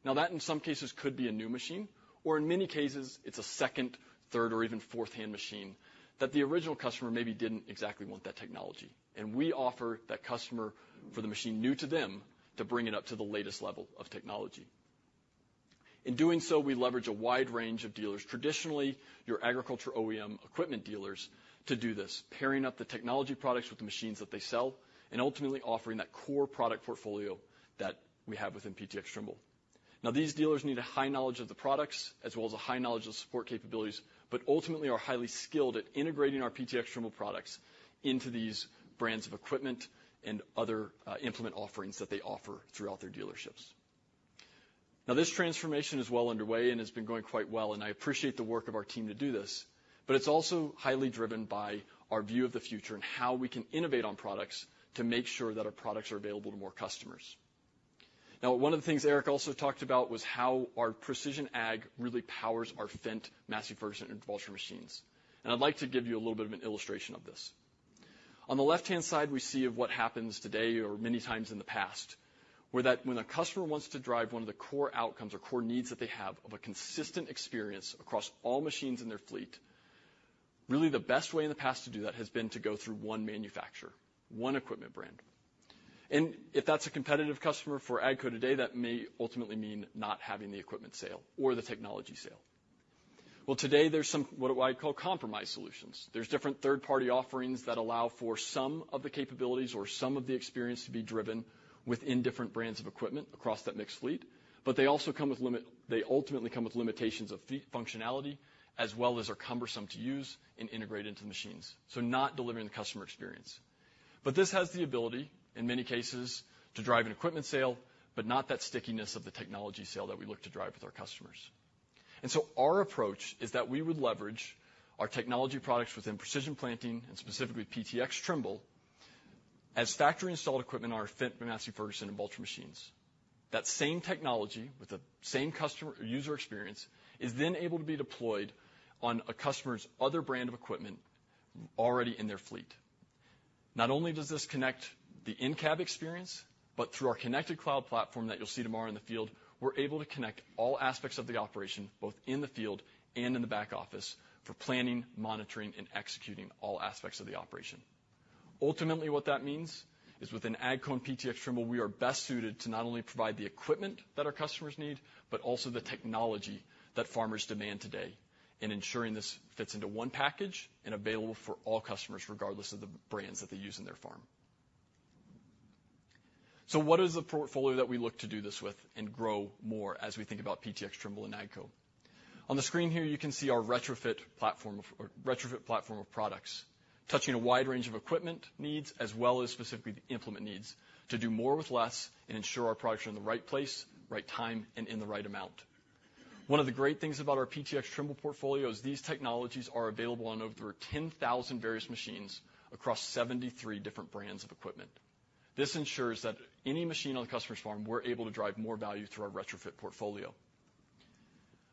Now, that in some cases could be a new machine, or in many cases, it's a second, third, or even fourth-hand machine that the original customer maybe didn't exactly want that technology. We offer that customer for the machine new to them to bring it up to the latest level of technology. In doing so, we leverage a wide range of dealers, traditionally your agriculture OEM equipment dealers, to do this, pairing up the technology products with the machines that they sell and ultimately offering that core product portfolio that we have within PTx Trimble. Now, these dealers need a high knowledge of the products as well as a high knowledge of the support capabilities, but ultimately are highly skilled at integrating our PTx Trimble products into these brands of equipment and other implement offerings that they offer throughout their dealerships. Now, this transformation is well underway and has been going quite well, and I appreciate the work of our team to do this, but it's also highly driven by our view of the future and how we can innovate on products to make sure that our products are available to more customers. Now, one of the things Eric also talked about was how our Precision Ag really powers our Fendt, Massey Ferguson, and Valtra machines. And I'd like to give you a little bit of an illustration of this. On the left-hand side, we see what happens today or many times in the past where that when a customer wants to drive one of the core outcomes or core needs that they have of a consistent experience across all machines in their fleet, really the best way in the past to do that has been to go through one manufacturer, one equipment brand. If that's a competitive customer for AGCO today, that may ultimately mean not having the equipment sale or the technology sale. Well, today, there's some what I call compromise solutions. There's different third-party offerings that allow for some of the capabilities or some of the experience to be driven within different brands of equipment across that mixed fleet, but they also come with limitations of functionality as well as are cumbersome to use and integrate into the machines, so not delivering the customer experience. But this has the ability, in many cases, to drive an equipment sale, but not that stickiness of the technology sale that we look to drive with our customers. And so our approach is that we would leverage our technology products within Precision Planting and specifically PTx Trimble as factory-installed equipment on our Fendt, Massey Ferguson, and Valtra machines. That same technology with the same customer user experience is then able to be deployed on a customer's other brand of equipment already in their fleet. Not only does this connect the in-cab experience, but through our connected cloud platform that you'll see tomorrow in the field, we're able to connect all aspects of the operation both in the field and in the back office for planning, monitoring, and executing all aspects of the operation. Ultimately, what that means is within AGCO and PTx Trimble, we are best suited to not only provide the equipment that our customers need, but also the technology that farmers demand today and ensuring this fits into one package and available for all customers regardless of the brands that they use in their farm. So what is the portfolio that we look to do this with and grow more as we think about PTx Trimble and AGCO? On the screen here, you can see our retrofit platform of products touching a wide range of equipment needs as well as specifically the implement needs to do more with less and ensure our products are in the right place, right time, and in the right amount. One of the great things about our PTx Trimble portfolio is these technologies are available on over 10,000 various machines across 73 different brands of equipment. This ensures that any machine on the customer's farm, we're able to drive more value through our retrofit portfolio.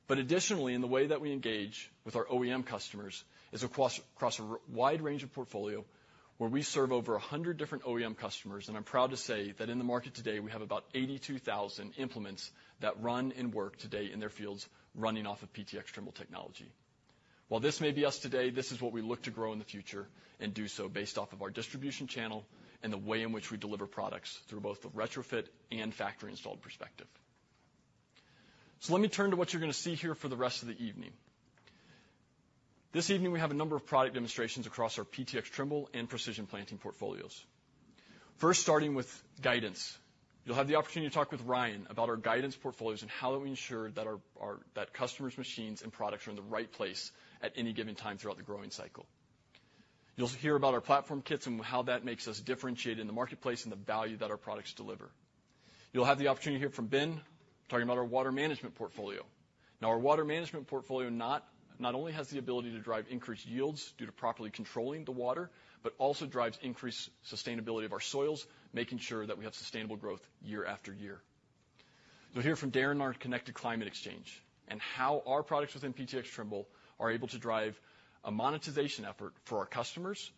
But additionally, in the way that we engage with our OEM customers is across a wide range of portfolio where we serve over 100 different OEM customers. I'm proud to say that in the market today, we have about 82,000 implements that run and work today in their fields running off of PTx Trimble technology. While this may be us today, this is what we look to grow in the future and do so based off of our distribution channel and the way in which we deliver products through both the retrofit and factory-installed perspective. So let me turn to what you're going to see here for the rest of the evening. This evening, we have a number of product demonstrations across our PTx Trimble and Precision Planting portfolios. First, starting with guidance, you'll have the opportunity to talk with Ryan about our guidance portfolios and how we ensure that our customers' machines and products are in the right place at any given time throughout the growing cycle. You'll hear about our platform kits and how that makes us differentiate in the marketplace and the value that our products deliver. You'll have the opportunity to hear from Ben talking about our water management portfolio. Now, our water management portfolio not only has the ability to drive increased yields due to properly controlling the water, but also drives increased sustainability of our soils, making sure that we have sustainable growth year after year. You'll hear from Darren on our Connected Climate Exchange and how our products within PTx Trimble are able to drive a monetization effort for our customers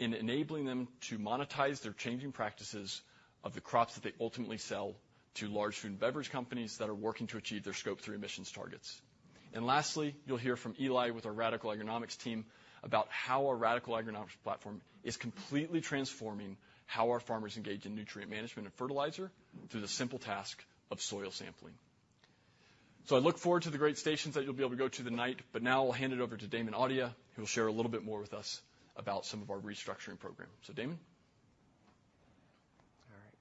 in enabling them to monetize their changing practices of the crops that they ultimately sell to large food and beverage companies that are working to achieve their Scope 3 emissions targets. Lastly, you'll hear from Eli with our Radicle Agronomics team about how our Radicle Agronomics platform is completely transforming how our farmers engage in nutrient management and fertilizer through the simple task of soil sampling. I look forward to the great stations that you'll be able to go to tonight, but now I'll hand it over to Damon Audia, who will share a little bit more with us about some of our restructuring program. Damon. All right.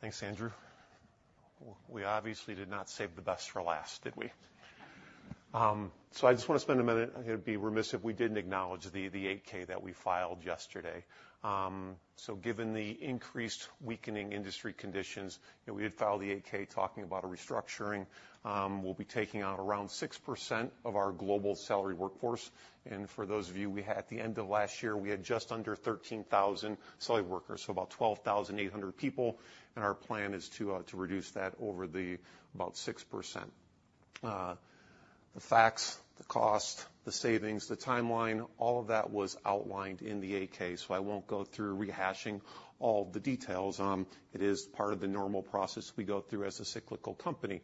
Thanks, Andrew. We obviously did not save the best for last, did we? I just want to spend a minute. I'm going to be remiss if we didn't acknowledge the 8-K that we filed yesterday. Given the increased weakening industry conditions, we had filed the 8-K talking about a restructuring. We'll be taking on around 6% of our global salary workforce. For those of you, we had at the end of last year, we had just under 13,000 salary workers, so about 12,800 people. Our plan is to reduce that by about 6%. The facts, the cost, the savings, the timeline, all of that was outlined in the 8-K. So I won't go through rehashing all the details. It is part of the normal process we go through as a cyclical company.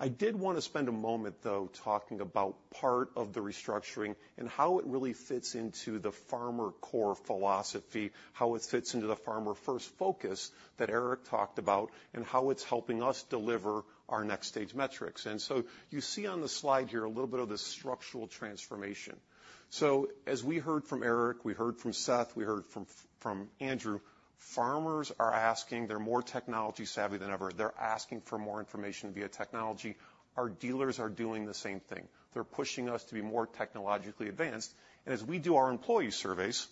I did want to spend a moment, though, talking about part of the restructuring and how it really fits into the FarmerCore philosophy, how it fits into the farmer-first focus that Eric talked about, and how it's helping us deliver our next-stage metrics. So you see on the slide here a little bit of the structural transformation. So as we heard from Eric, we heard from Seth, we heard from Andrew, farmers are asking, they're more technology-savvy than ever. They're asking for more information via technology. Our dealers are doing the same thing. They're pushing us to be more technologically advanced. And as we do our employee surveys,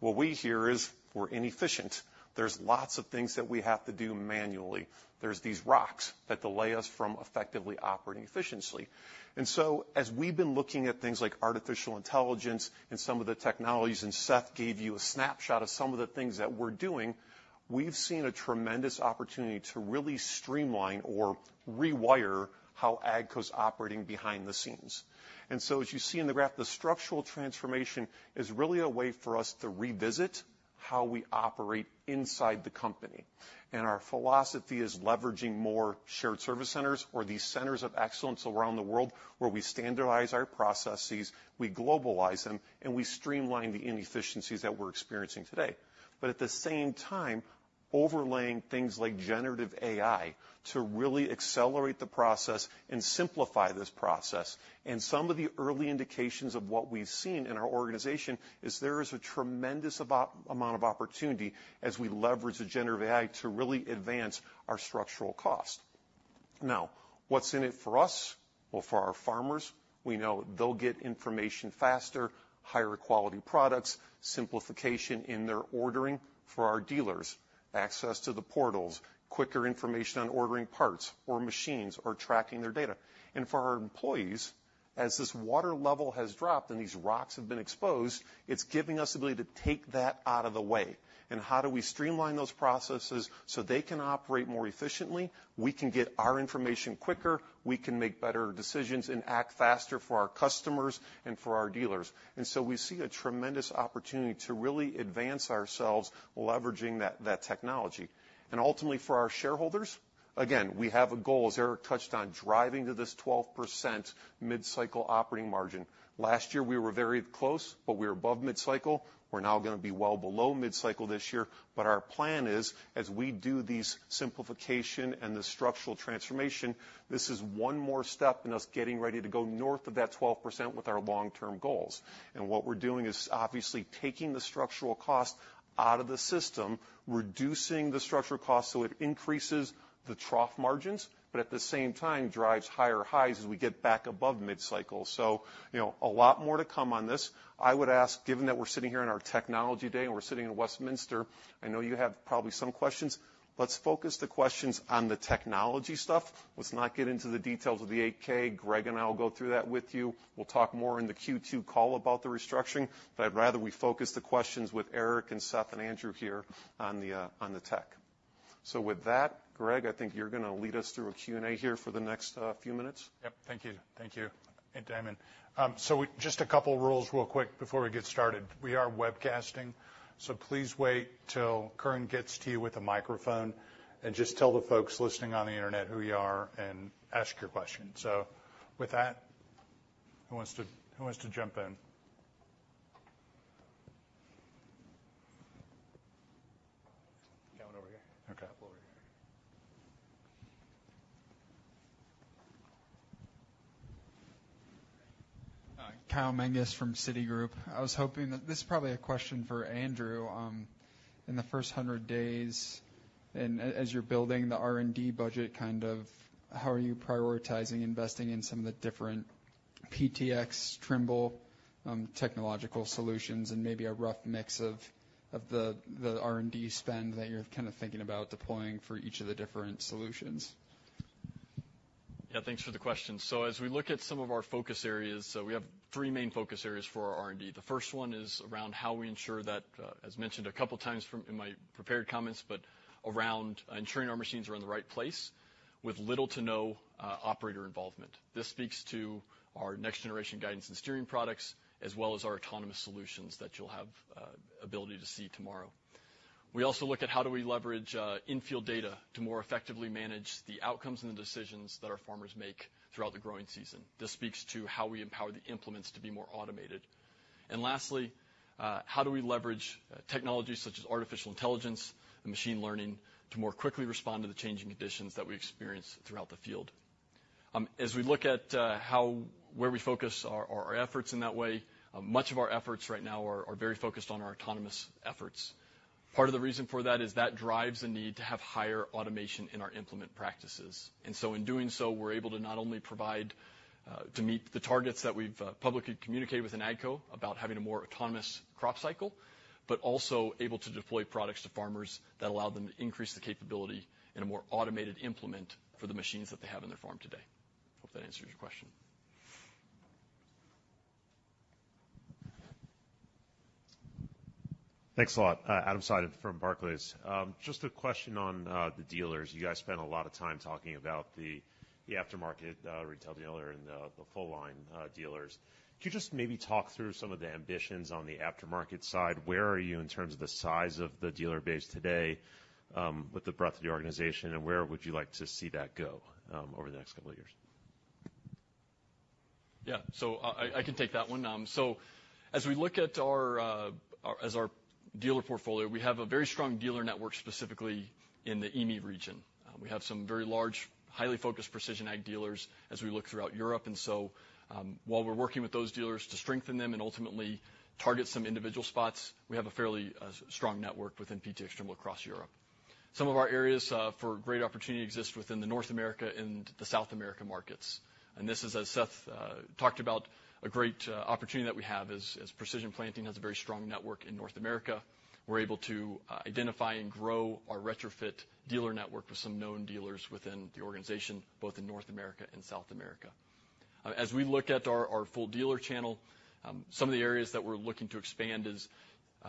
what we hear is we're inefficient. There's lots of things that we have to do manually. There's these rocks that delay us from effectively operating efficiently. And so as we've been looking at things like artificial intelligence and some of the technologies, and Seth gave you a snapshot of some of the things that we're doing, we've seen a tremendous opportunity to really streamline or rewire how AGCO's operating behind the scenes. And so as you see in the graph, the structural transformation is really a way for us to revisit how we operate inside the company. Our philosophy is leveraging more shared service centers or these centers of excellence around the world where we standardize our processes, we globalize them, and we streamline the inefficiencies that we're experiencing today. But at the same time, overlaying things like generative AI to really accelerate the process and simplify this process. Some of the early indications of what we've seen in our organization is there is a tremendous amount of opportunity as we leverage the generative AI to really advance our structural cost. Now, what's in it for us or for our farmers? We know they'll get information faster, higher quality products, simplification in their ordering for our dealers, access to the portals, quicker information on ordering parts or machines or tracking their data. For our employees, as this water level has dropped and these rocks have been exposed, it's giving us the ability to take that out of the way. How do we streamline those processes so they can operate more efficiently? We can get our information quicker. We can make better decisions and act faster for our customers and for our dealers. We see a tremendous opportunity to really advance ourselves leveraging that technology. Ultimately, for our shareholders, again, we have a goal, as Eric touched on, driving to this 12% mid-cycle operating margin. Last year, we were very close, but we were above mid-cycle. We're now going to be well below mid-cycle this year. Our plan is, as we do this simplification and the structural transformation, this is one more step in us getting ready to go north of that 12% with our long-term goals. And what we're doing is obviously taking the structural cost out of the system, reducing the structural cost so it increases the trough margins, but at the same time drives higher highs as we get back above mid-cycle. So, you know, a lot more to come on this. I would ask, given that we're sitting here in our Technology Day and we're sitting in Westminster, I know you have probably some questions. Let's focus the questions on the technology stuff. Let's not get into the details of the 8-K. Greg and I will go through that with you. We'll talk more in the Q2 call about the restructuring, but I'd rather we focus the questions with Eric and Seth and Andrew here on the tech. So with that, Greg, I think you're going to lead us through a Q&A here for the next few minutes. Yep. Thank you. Thank you, Damon. So just a couple of rules real quick before we get started. We are webcasting, so please wait till Karen gets to you with a microphone and just tell the folks listening on the internet who you are and ask your question. So with that, who wants to jump in? Kyle, over here. Okay. Kyle Menges from Citigroup. I was hoping that this is probably a question for Andrew. In the first 100 days, and as you're building the R&D budget, kind of how are you prioritizing investing in some of the different PTx Trimble technological solutions and maybe a rough mix of the R&D spend that you're kind of thinking about deploying for each of the different solutions? Yeah, thanks for the question. So as we look at some of our focus areas, we have three main focus areas for our R&D. The first one is around how we ensure that, as mentioned a couple of times in my prepared comments, but around ensuring our machines are in the right place with little to no operator involvement. This speaks to our next-generation guidance and steering products as well as our autonomous solutions that you'll have the ability to see tomorrow. We also look at how do we leverage in-field data to more effectively manage the outcomes and the decisions that our farmers make throughout the growing season. This speaks to how we empower the implements to be more automated. And lastly, how do we leverage technology such as artificial intelligence and machine learning to more quickly respond to the changing conditions that we experience throughout the field? As we look at where we focus our efforts in that way, much of our efforts right now are very focused on our autonomous efforts. Part of the reason for that is that drives the need to have higher automation in our implement practices. And so in doing so, we're able to not only provide to meet the targets that we've publicly communicated within AGCO about having a more autonomous crop cycle, but also able to deploy products to farmers that allow them to increase the capability in a more automated implement for the machines that they have in their farm today. Hope that answers your question. Thanks a lot. Adam Seiden from Barclays. Just a question on the dealers. You guys spent a lot of time talking about the aftermarket retail dealer and the full-line dealers. Could you just maybe talk through some of the ambitions on the aftermarket side? Where are you in terms of the size of the dealer base today with the breadth of the organization, and where would you like to see that go over the next couple of years? Yeah. So I can take that one. So as we look at our dealer portfolio, we have a very strong dealer network specifically in the EME region. We have some very large, highly focused Precision Ag dealers as we look throughout Europe. And so while we're working with those dealers to strengthen them and ultimately target some individual spots, we have a fairly strong network within PTx Trimble across Europe. Some of our areas for great opportunity exist within the North America and the South America markets. And this is, as Seth talked about, a great opportunity that we have as Precision Planting has a very strong network in North America. We're able to identify and grow our retrofit dealer network with some known dealers within the organization, both in North America and South America. As we look at our full dealer channel, some of the areas that we're looking to expand is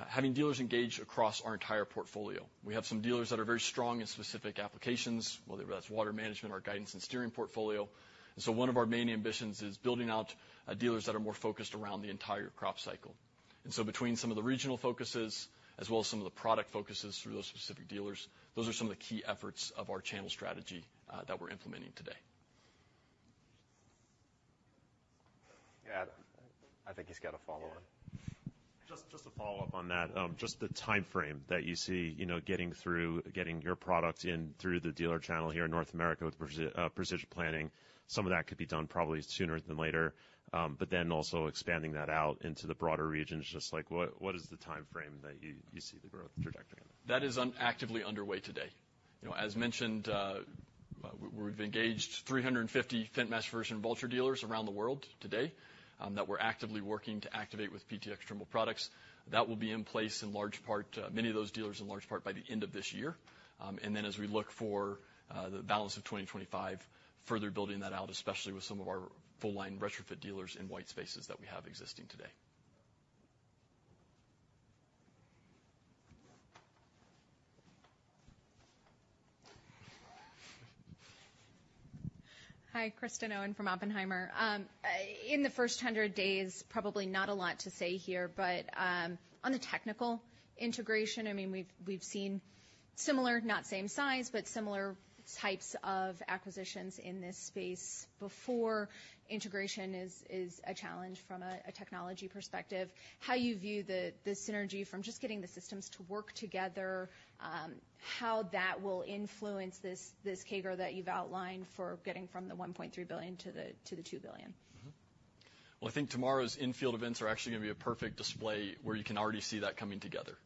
having dealers engage across our entire portfolio. We have some dealers that are very strong in specific applications, whether that's water management or guidance and steering portfolio. And so one of our main ambitions is building out dealers that are more focused around the entire crop cycle. And so between some of the regional focuses as well as some of the product focuses through those specific dealers, those are some of the key efforts of our channel strategy that we're implementing today. Yeah, Adam, I think he's got a follow-on. Just a follow-up on that. Just the timeframe that you see getting through, getting your products in through the dealer channel here in North America with Precision Planting, some of that could be done probably sooner than later, but then also expanding that out into the broader regions. Just like what is the timeframe that you see the growth trajectory? That is actively underway today. As mentioned, we've engaged 350 Fendt, Massey Ferguson, and Valtra dealers around the world today that we're actively working to activate with PTx Trimble products. That will be in place in large part, many of those dealers in large part by the end of this year. And then as we look for the balance of 2025, further building that out, especially with some of our full-line retrofit dealers in white spaces that we have existing today. Hi, Kristen Owen from Oppenheimer. In the first 100 days, probably not a lot to say here, but on the technical integration, I mean, we've seen similar, not same size, but similar types of acquisitions in this space. Before, integration is a challenge from a technology perspective. How do you view the synergy from just getting the systems to work together, how that will influence this CAGR that you've outlined for getting from the $1.3 billion to the $2 billion? Well, I think tomorrow's in-field events are actually going to be a perfect display where you can already see that coming together.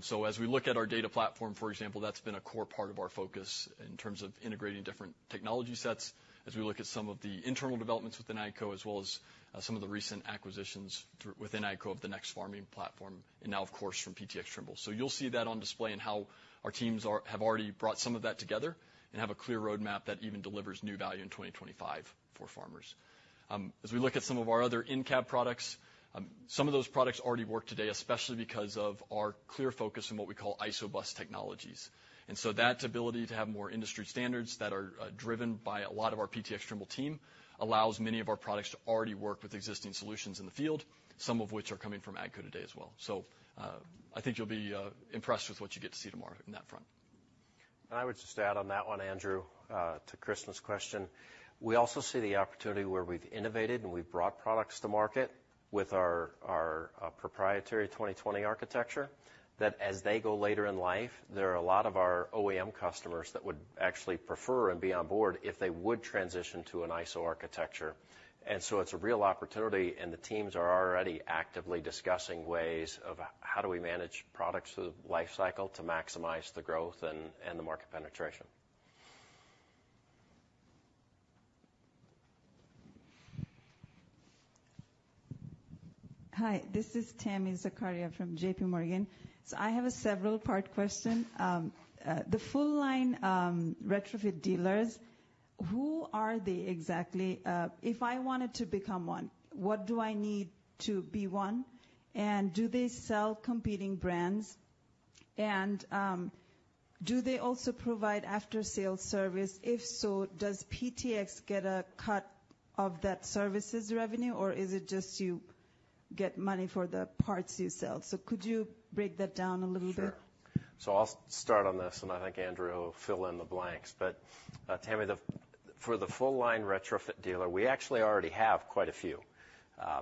So as we look at our data platform, for example, that's been a core part of our focus in terms of integrating different technology sets as we look at some of the internal developments within AGCO as well as some of the recent acquisitions within AGCO of the NEXT Farming platform, and now, of course, from PTx Trimble. So you'll see that on display and how our teams have already brought some of that together and have a clear roadmap that even delivers new value in 2025 for farmers. As we look at some of our other in-cab products, some of those products already work today, especially because of our clear focus on what we call ISOBUS technologies. And so that ability to have more industry standards that are driven by a lot of our PTx Trimble team allows many of our products to already work with existing solutions in the field, some of which are coming from AGCO today as well. So I think you'll be impressed with what you get to see tomorrow in that front. And I would just add on that one, Andrew, to Kristen's question. We also see the opportunity where we've innovated and we've brought products to market with our proprietary 20|20 architecture that as they go later in life, there are a lot of our OEM customers that would actually prefer and be on board if they would transition to an ISO architecture. And so it's a real opportunity, and the teams are already actively discussing ways of how do we manage products through the life cycle to maximize the growth and the market penetration. Hi, this is Tami Zakaria from J.P. Morgan. So I have a several-part question. The full-line retrofit dealers, who are they exactly? If I wanted to become one, what do I need to be one? And do they sell competing brands? And do they also provide after-sales service? If so, does PTx get a cut of that services revenue, or is it just you get money for the parts you sell? So could you break that down a little bit? So I'll start on this, and I think Andrew will fill in the blanks. But Tammy, for the full-line retrofit dealer, we actually already have quite a few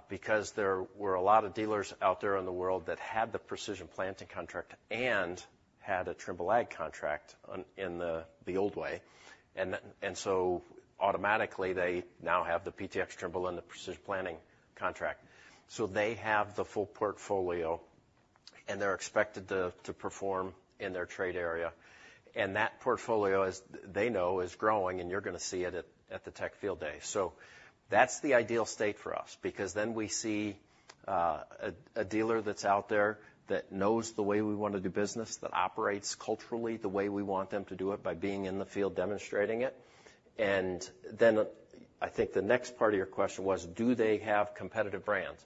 because there were a lot of dealers out there in the world that had the Precision Planting contract and had a Trimble Ag contract in the old way. And so automatically, they now have the PTx Trimble and the Precision Planting contract. So they have the full portfolio, and they're expected to perform in their trade area. And that portfolio, as they know, is growing, and you're going to see it at the Tech Field Day. So that's the ideal state for us because then we see a dealer that's out there that knows the way we want to do business, that operates culturally the way we want them to do it by being in the field demonstrating it. And then I think the next part of your question was, do they have competitive brands?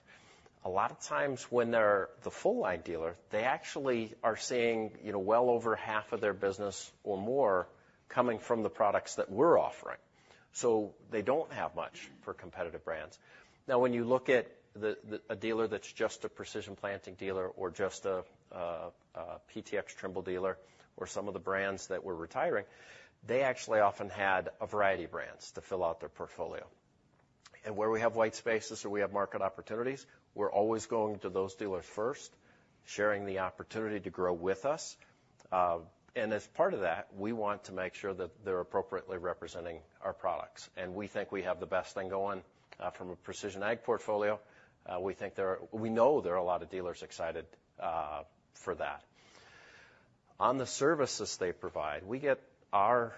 A lot of times when they're the full-line dealer, they actually are seeing well over half of their business or more coming from the products that we're offering. So they don't have much for competitive brands. Now, when you look at a dealer that's just a Precision Planting dealer or just a PTx Trimble dealer or some of the brands that we're retiring, they actually often had a variety of brands to fill out their portfolio. And where we have white spaces or we have market opportunities, we're always going to those dealers first, sharing the opportunity to grow with us. And as part of that, we want to make sure that they're appropriately representing our products. And we think we have the best thing going from a Precision Ag portfolio. We know there are a lot of dealers excited for that. On the services they provide, we get our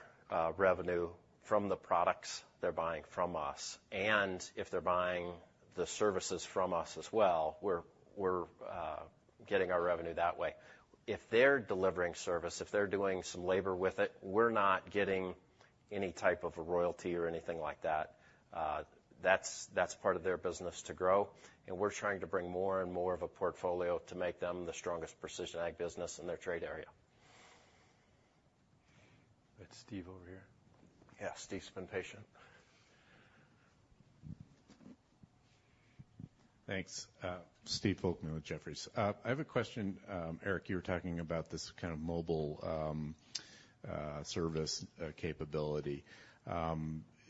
revenue from the products they're buying from us. If they're buying the services from us as well, we're getting our revenue that way. If they're delivering service, if they're doing some labor with it, we're not getting any type of a royalty or anything like that. That's part of their business to grow. We're trying to bring more and more of a portfolio to make them the strongest Precision Ag business in their trade area. That's Steve over here. Yeah, Steve's been patient. Thanks. Steve Volkmann with Jefferies. I have a question. Eric, you were talking about this kind of mobile service capability.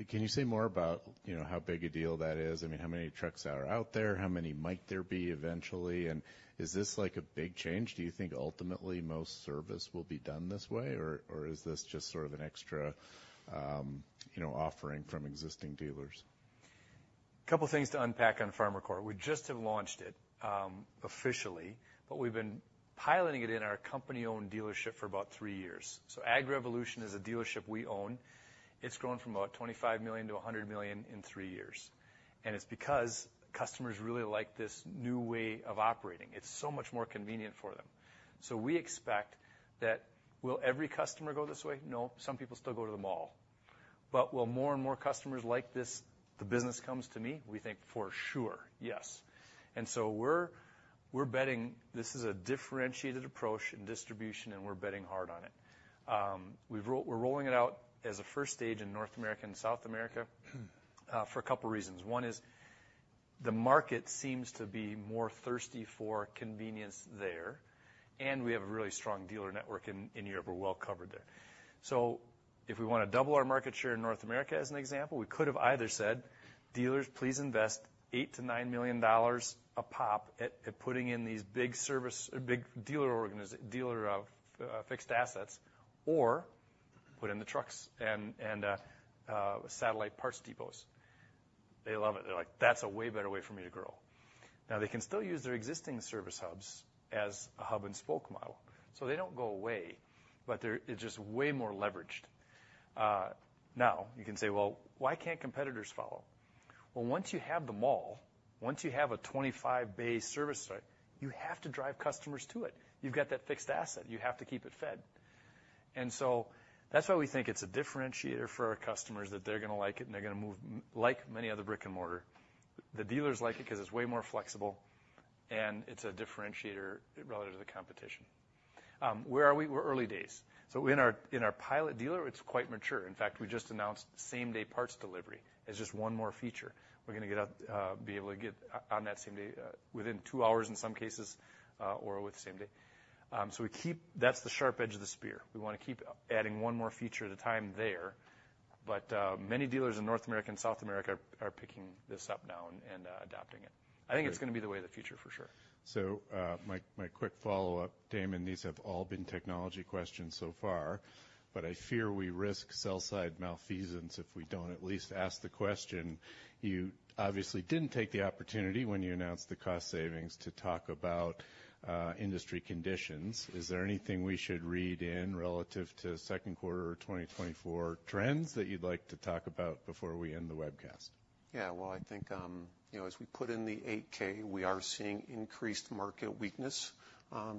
Can you say more about how big a deal that is? I mean, how many trucks are out there? How many might there be eventually? And is this like a big change? Do you think ultimately most service will be done this way, or is this just sort of an extra offering from existing dealers? A couple of things to unpack on FarmerCore. We just have launched it officially, but we've been piloting it in our company-owned dealership for about three years. So AgRevolution is a dealership we own. It's grown from about $25 million to $100 million in three years. And it's because customers really like this new way of operating. It's so much more convenient for them. So we expect that will every customer go this way? No, some people still go to the mall. But will more and more customers like this? The business comes to me, we think for sure, yes. And so we're betting this is a differentiated approach in distribution, and we're betting hard on it. We're rolling it out as a first stage in North America and South America for a couple of reasons. One is the market seems to be more thirsty for convenience there, and we have a really strong dealer network in Europe. We're well covered there. So if we want to double our market share in North America, as an example, we could have either said, "Dealers, please invest $8 million-$9 million a pop at putting in these big service or big dealer fixed assets," or put in the trucks and satellite parts depots. They love it. They're like, "That's a way better way for me to grow." Now, they can still use their existing service hubs as a hub-and-spoke model. So they don't go away, but it's just way more leveraged. Now, you can say, "Well, why can't competitors follow?" Well, once you have the mall, once you have a 25-bay service site, you have to drive customers to it. You've got that fixed asset. You have to keep it fed. So that's why we think it's a differentiator for our customers that they're going to like it and they're going to move, like many other brick and mortar. The dealers like it because it's way more flexible, and it's a differentiator relative to the competition. Where are we? We're early days. In our pilot dealer, it's quite mature. In fact, we just announced same-day parts delivery as just one more feature. We're going to be able to get on that same day within two hours in some cases or with the same day. So that's the sharp edge of the spear. We want to keep adding one more feature at a time there. But many dealers in North America and South America are picking this up now and adopting it. I think it's going to be the way of the future for sure. My quick follow-up, Damon, these have all been technology questions so far, but I fear we risk sell-side malfeasance if we don't at least ask the question. You obviously didn't take the opportunity when you announced the cost savings to talk about industry conditions. Is there anything we should read in relative to Q2 or 2024 trends that you'd like to talk about before we end the webcast? Yeah, well, I think as we put in the 8-K, we are seeing increased market weakness.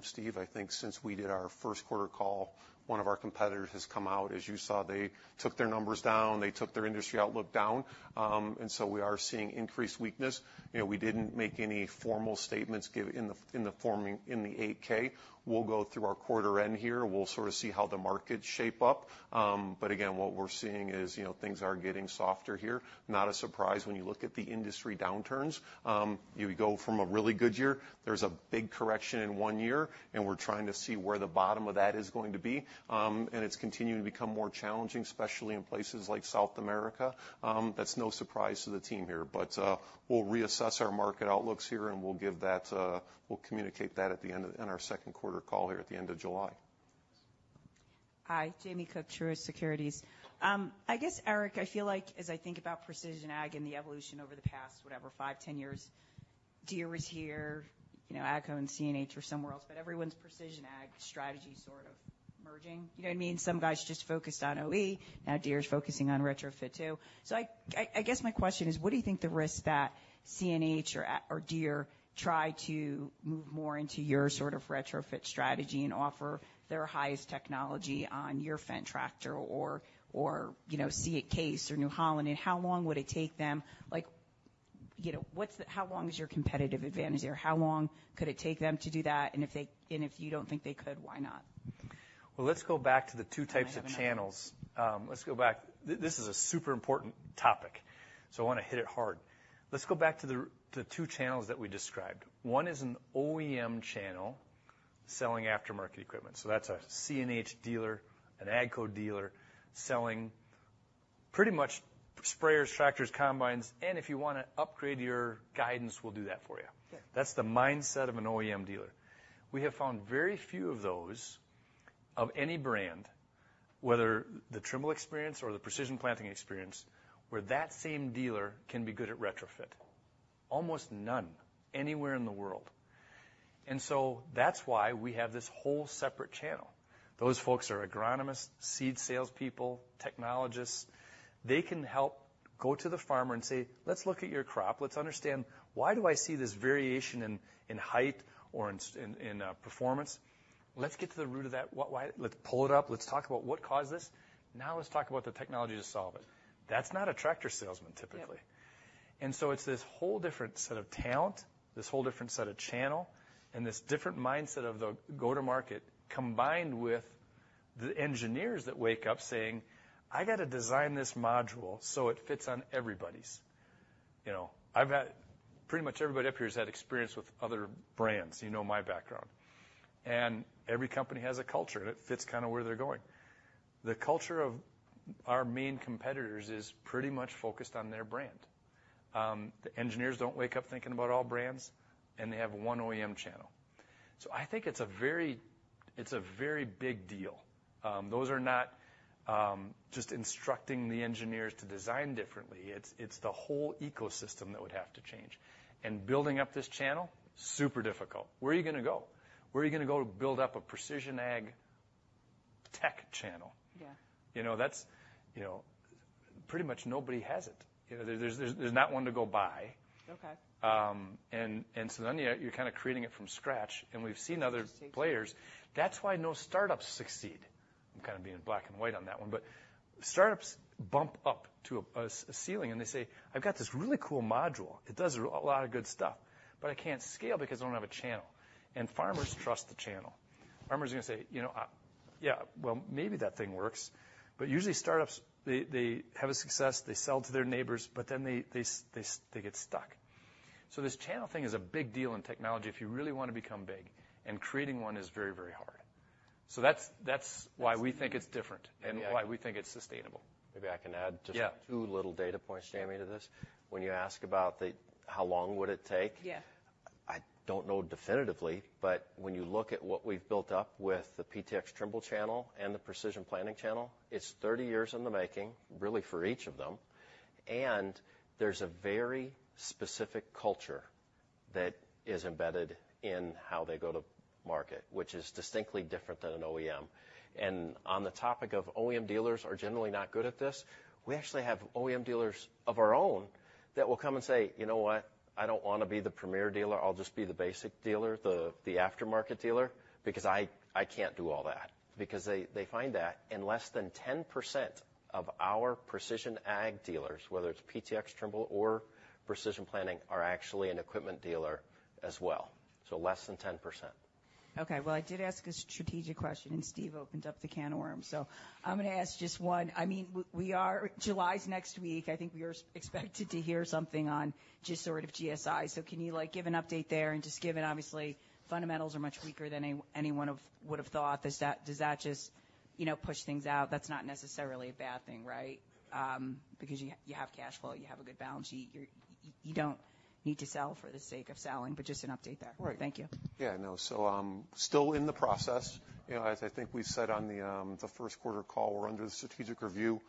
Steve, I think since we did our Q1 call, one of our competitors has come out. As you saw, they took their numbers down. They took their industry outlook down. And so we are seeing increased weakness. We didn't make any formal statements in the 8-K. We'll go through our quarter end here. We'll sort of see how the markets shape up. But again, what we're seeing is things are getting softer here. Not a surprise when you look at the industry downturns. You go from a really good year. There's a big correction in one year, and we're trying to see where the bottom of that is going to be. And it's continuing to become more challenging, especially in places like South America. That's no surprise to the team here. But we'll reassess our market outlooks here, and we'll give that we'll communicate that at the end of our Q2 call here at the end of July. Hi, Jamie Cook, Truist Securities. I guess, Eric, I feel like as I think about precision ag and the evolution over the past, whatever, 5, 10 years, Deere is here, AGCO and CNH are somewhere else, but everyone's precision ag strategy sort of merging. You know what I mean? Some guys just focused on OE. Now, Deere is focusing on retrofit too. So I guess my question is, what do you think the risk that CNH or Deere try to move more into your sort of retrofit strategy and offer their highest technology on your Fendt tractor or Case IH or New Holland? And how long would it take them? How long is your competitive advantage there? How long could it take them to do that? And if you don't think they could, why not? Well, let's go back to the two types of channels. Let's go back. This is a super important topic, so I want to hit it hard. Let's go back to the two channels that we described. One is an OEM channel selling aftermarket equipment. So that's a CNH dealer, an AGCO dealer selling pretty much sprayers, tractors, combines. And if you want to upgrade your guidance, we'll do that for you. That's the mindset of an OEM dealer. We have found very few of those of any brand, whether the Trimble experience or the Precision Planting experience, where that same dealer can be good at retrofit. Almost none anywhere in the world. And so that's why we have this whole separate channel. Those folks are agronomists, seed salespeople, technologists. They can help go to the farmer and say, "Let's look at your crop. Let's understand why do I see this variation in height or in performance? Let's get to the root of that. Let's pull it up. Let's talk about what caused this. Now let's talk about the technology to solve it." That's not a tractor salesman typically. And so it's this whole different set of talent, this whole different set of channel, and this different mindset of the go-to-market combined with the engineers that wake up saying, "I got to design this module so it fits on everybody's." Pretty much everybody up here has had experience with other brands. You know my background. And every company has a culture, and it fits kind of where they're going. The culture of our main competitors is pretty much focused on their brand. The engineers don't wake up thinking about all brands, and they have one OEM channel. So I think it's a very big deal. Those are not just instructing the engineers to design differently. It's the whole ecosystem that would have to change. And building up this channel, super difficult. Where are you going to go? Where are you going to go to build up a precision ag tech channel? That's pretty much nobody has it. There's not one to go buy. And so then you're kind of creating it from scratch. And we've seen other players. That's why no startups succeed. I'm kind of being black and white on that one. But startups bump up to a ceiling, and they say, "I've got this really cool module. It does a lot of good stuff, but I can't scale because I don't have a channel." And farmers trust the channel. Farmers are going to say, "Yeah, well, maybe that thing works." But usually, startups, they have a success. They sell to their neighbors, but then they get stuck. So this channel thing is a big deal in technology if you really want to become big. And creating one is very, very hard. So that's why we think it's different and why we think it's sustainable. Maybe I can add just two little data points, Jamie, to this. When you ask about how long would it take, I don't know definitively, but when you look at what we've built up with the PTx Trimble channel and the Precision Planting channel, it's 30 years in the making, really for each of them. And there's a very specific culture that is embedded in how they go to market, which is distinctly different than an OEM. And on the topic of OEM dealers are generally not good at this, we actually have OEM dealers of our own that will come and say, "You know what? I don't want to be the premier dealer. I'll just be the basic dealer, the aftermarket dealer, because I can't do all that." Because they find that less than 10% of our Precision Ag dealers, whether it's PTx Trimble or Precision Planting, are actually an equipment dealer as well. So less than 10%. Okay. Well, I did ask a strategic question, and Steve opened up the can of worms. So I'm going to ask just one. I mean, July's next week. I think we are expected to hear something on just sort of GSI. So can you give an update there and just give an obviously, fundamentals are much weaker than anyone would have thought. Does that just push things out? That's not necessarily a bad thing, right? Because you have cash flow. You have a good balance sheet. You don't need to sell for the sake of selling, but just an update there. Thank you. Yeah, no. So still in the process. As I think we said on the Q1 call, we're under the strategic review.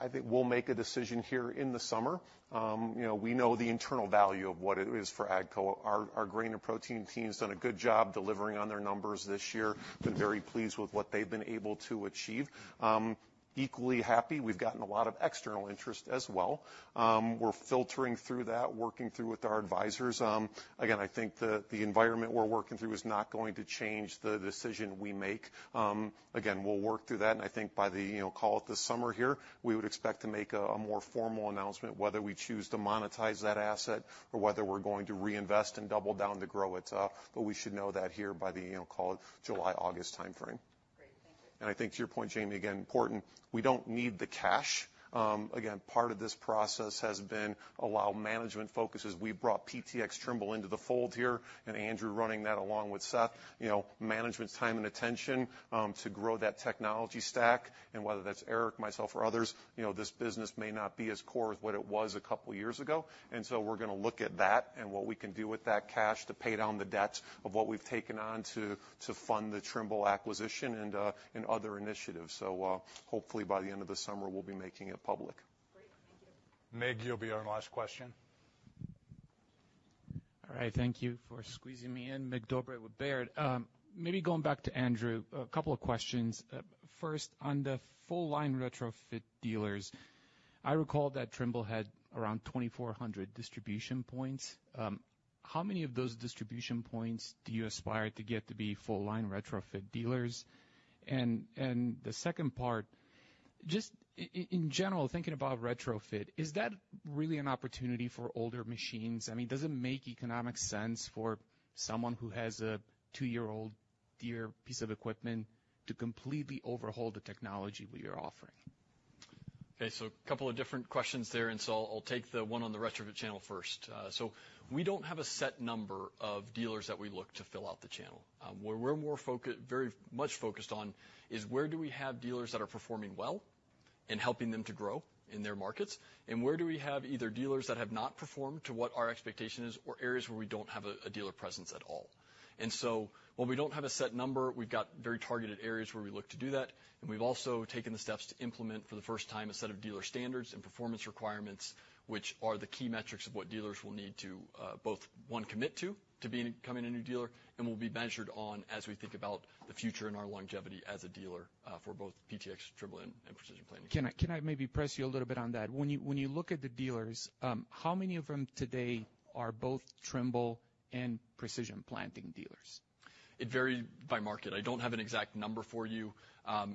I think we'll make a decision here in the summer. We know the internal value of what it is for AGCO. Our Grain & Protein team has done a good job delivering on their numbers this year. Been very pleased with what they've been able to achieve. Equally happy. We've gotten a lot of external interest as well. We're filtering through that, working through with our advisors. Again, I think the environment we're working through is not going to change the decision we make. Again, we'll work through that. And I think by the call at the summer here, we would expect to make a more formal announcement whether we choose to monetize that asset or whether we're going to reinvest and double down to grow it. We should know that here by the, call it, July-August timeframe. And I think to your point, Jamie, again, important. We don't need the cash. Again, part of this process has been allowed management focuses. We brought PTx Trimble into the fold here, and Andrew running that along with Seth. Management's time and attention to grow that technology stack. And whether that's Eric, myself, or others, this business may not be as core as what it was a couple of years ago. And so we're going to look at that and what we can do with that cash to pay down the debts of what we've taken on to fund the Trimble acquisition and other initiatives. So hopefully by the end of the summer, we'll be making it public. Mig, you'll be our last question. All right. Thank you for squeezing me in. Mig Dobre with Baird. Maybe going back to Andrew, a couple of questions. First, on the full-line retrofit dealers, I recall that Trimble had around 2,400 distribution points. How many of those distribution points do you aspire to get to be full-line retrofit dealers? And the second part, just in general, thinking about retrofit, is that really an opportunity for older machines? I mean, does it make economic sense for someone who has a two-year-old Deere piece of equipment to completely overhaul the technology we are offering? Okay. So a couple of different questions there. And so I'll take the one on the retrofit channel first. So we don't have a set number of dealers that we look to fill out the channel. Where we're very much focused on is where do we have dealers that are performing well and helping them to grow in their markets? And where do we have either dealers that have not performed to what our expectation is or areas where we don't have a dealer presence at all? And so while we don't have a set number, we've got very targeted areas where we look to do that. We've also taken the steps to implement for the first time a set of dealer standards and performance requirements, which are the key metrics of what dealers will need to both, one, commit to, to becoming a new dealer, and will be measured on as we think about the future and our longevity as a dealer for both PTx, Trimble, and Precision Planting. Can I maybe press you a little bit on that? When you look at the dealers, how many of them today are both Trimble and Precision Planting dealers? It varies by market. I don't have an exact number for you.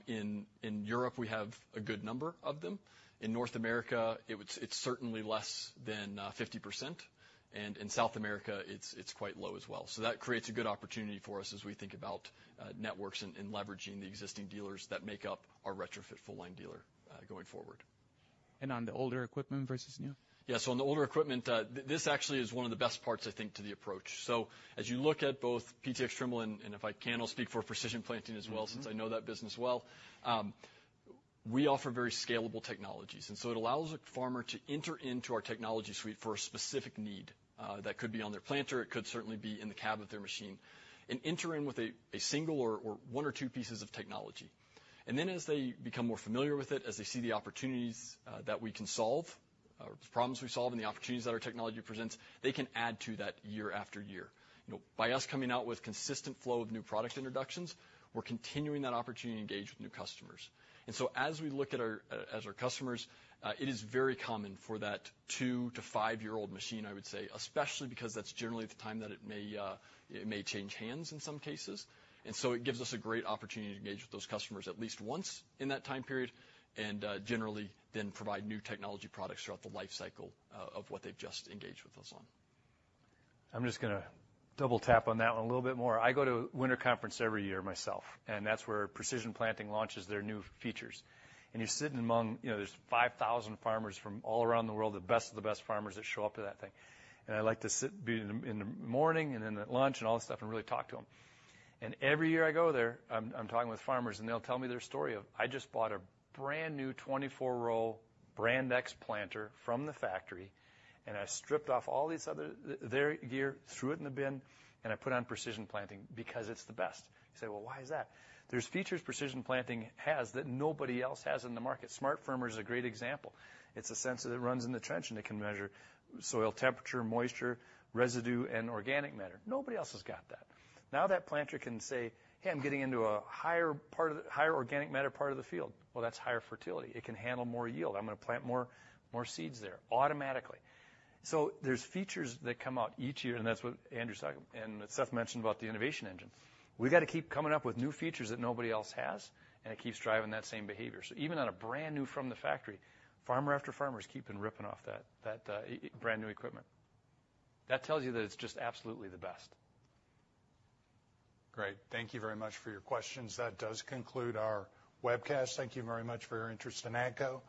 In Europe, we have a good number of them. In North America, it's certainly less than 50%. And in South America, it's quite low as well. So that creates a good opportunity for us as we think about networks and leveraging the existing dealers that make up our retrofit full-line dealer going forward. On the older equipment versus new? Yeah. So on the older equipment, this actually is one of the best parts, I think, to the approach. So as you look at both PTx Trimble, and if I can, I'll speak for Precision Planting as well since I know that business well. We offer very scalable technologies. And so it allows a farmer to enter into our technology suite for a specific need that could be on their planter. It could certainly be in the cab of their machine and enter in with a single or one or two pieces of technology. And then as they become more familiar with it, as they see the opportunities that we can solve, the problems we solve, and the opportunities that our technology presents, they can add to that year after year. By us coming out with consistent flow of new product introductions, we're continuing that opportunity to engage with new customers. So as we look at our customers, it is very common for that 2- to 5-year-old machine, I would say, especially because that's generally the time that it may change hands in some cases. So it gives us a great opportunity to engage with those customers at least once in that time period and generally then provide new technology products throughout the lifecycle of what they've just engaged with us on. I'm just going to double-tap on that one a little bit more. I go to Winter Conference every year myself, and that's where Precision Planting launches their new features. And you're sitting among there's 5,000 farmers from all around the world, the best of the best farmers that show up to that thing. And I like to sit in the morning and in the lunch and all this stuff and really talk to them. And every year I go there, I'm talking with farmers, and they'll tell me their story of, "I just bought a brand new 24-row Brand X planter from the factory, and I stripped off all their gear, threw it in the bin, and I put on Precision Planting because it's the best." You say, "Well, why is that?" There's features Precision Planting has that nobody else has in the market. SmartFirmer is a great example. It's a sensor that runs in the trench, and it can measure soil temperature, moisture, residue, and organic matter. Nobody else has got that. Now that planter can say, "Hey, I'm getting into a higher organic matter part of the field." Well, that's higher fertility. It can handle more yield. I'm going to plant more seeds there automatically. So there's features that come out each year, and that's what Andrew's talking about. And Seth mentioned about the innovation engine. We've got to keep coming up with new features that nobody else has, and it keeps driving that same behavior. So even on a brand new from the factory, farmer after farmer is keeping ripping off that brand new equipment. That tells you that it's just absolutely the best. Great. Thank you very much for your questions. That does conclude our webcast. Thank you very much for your interest in AGCO.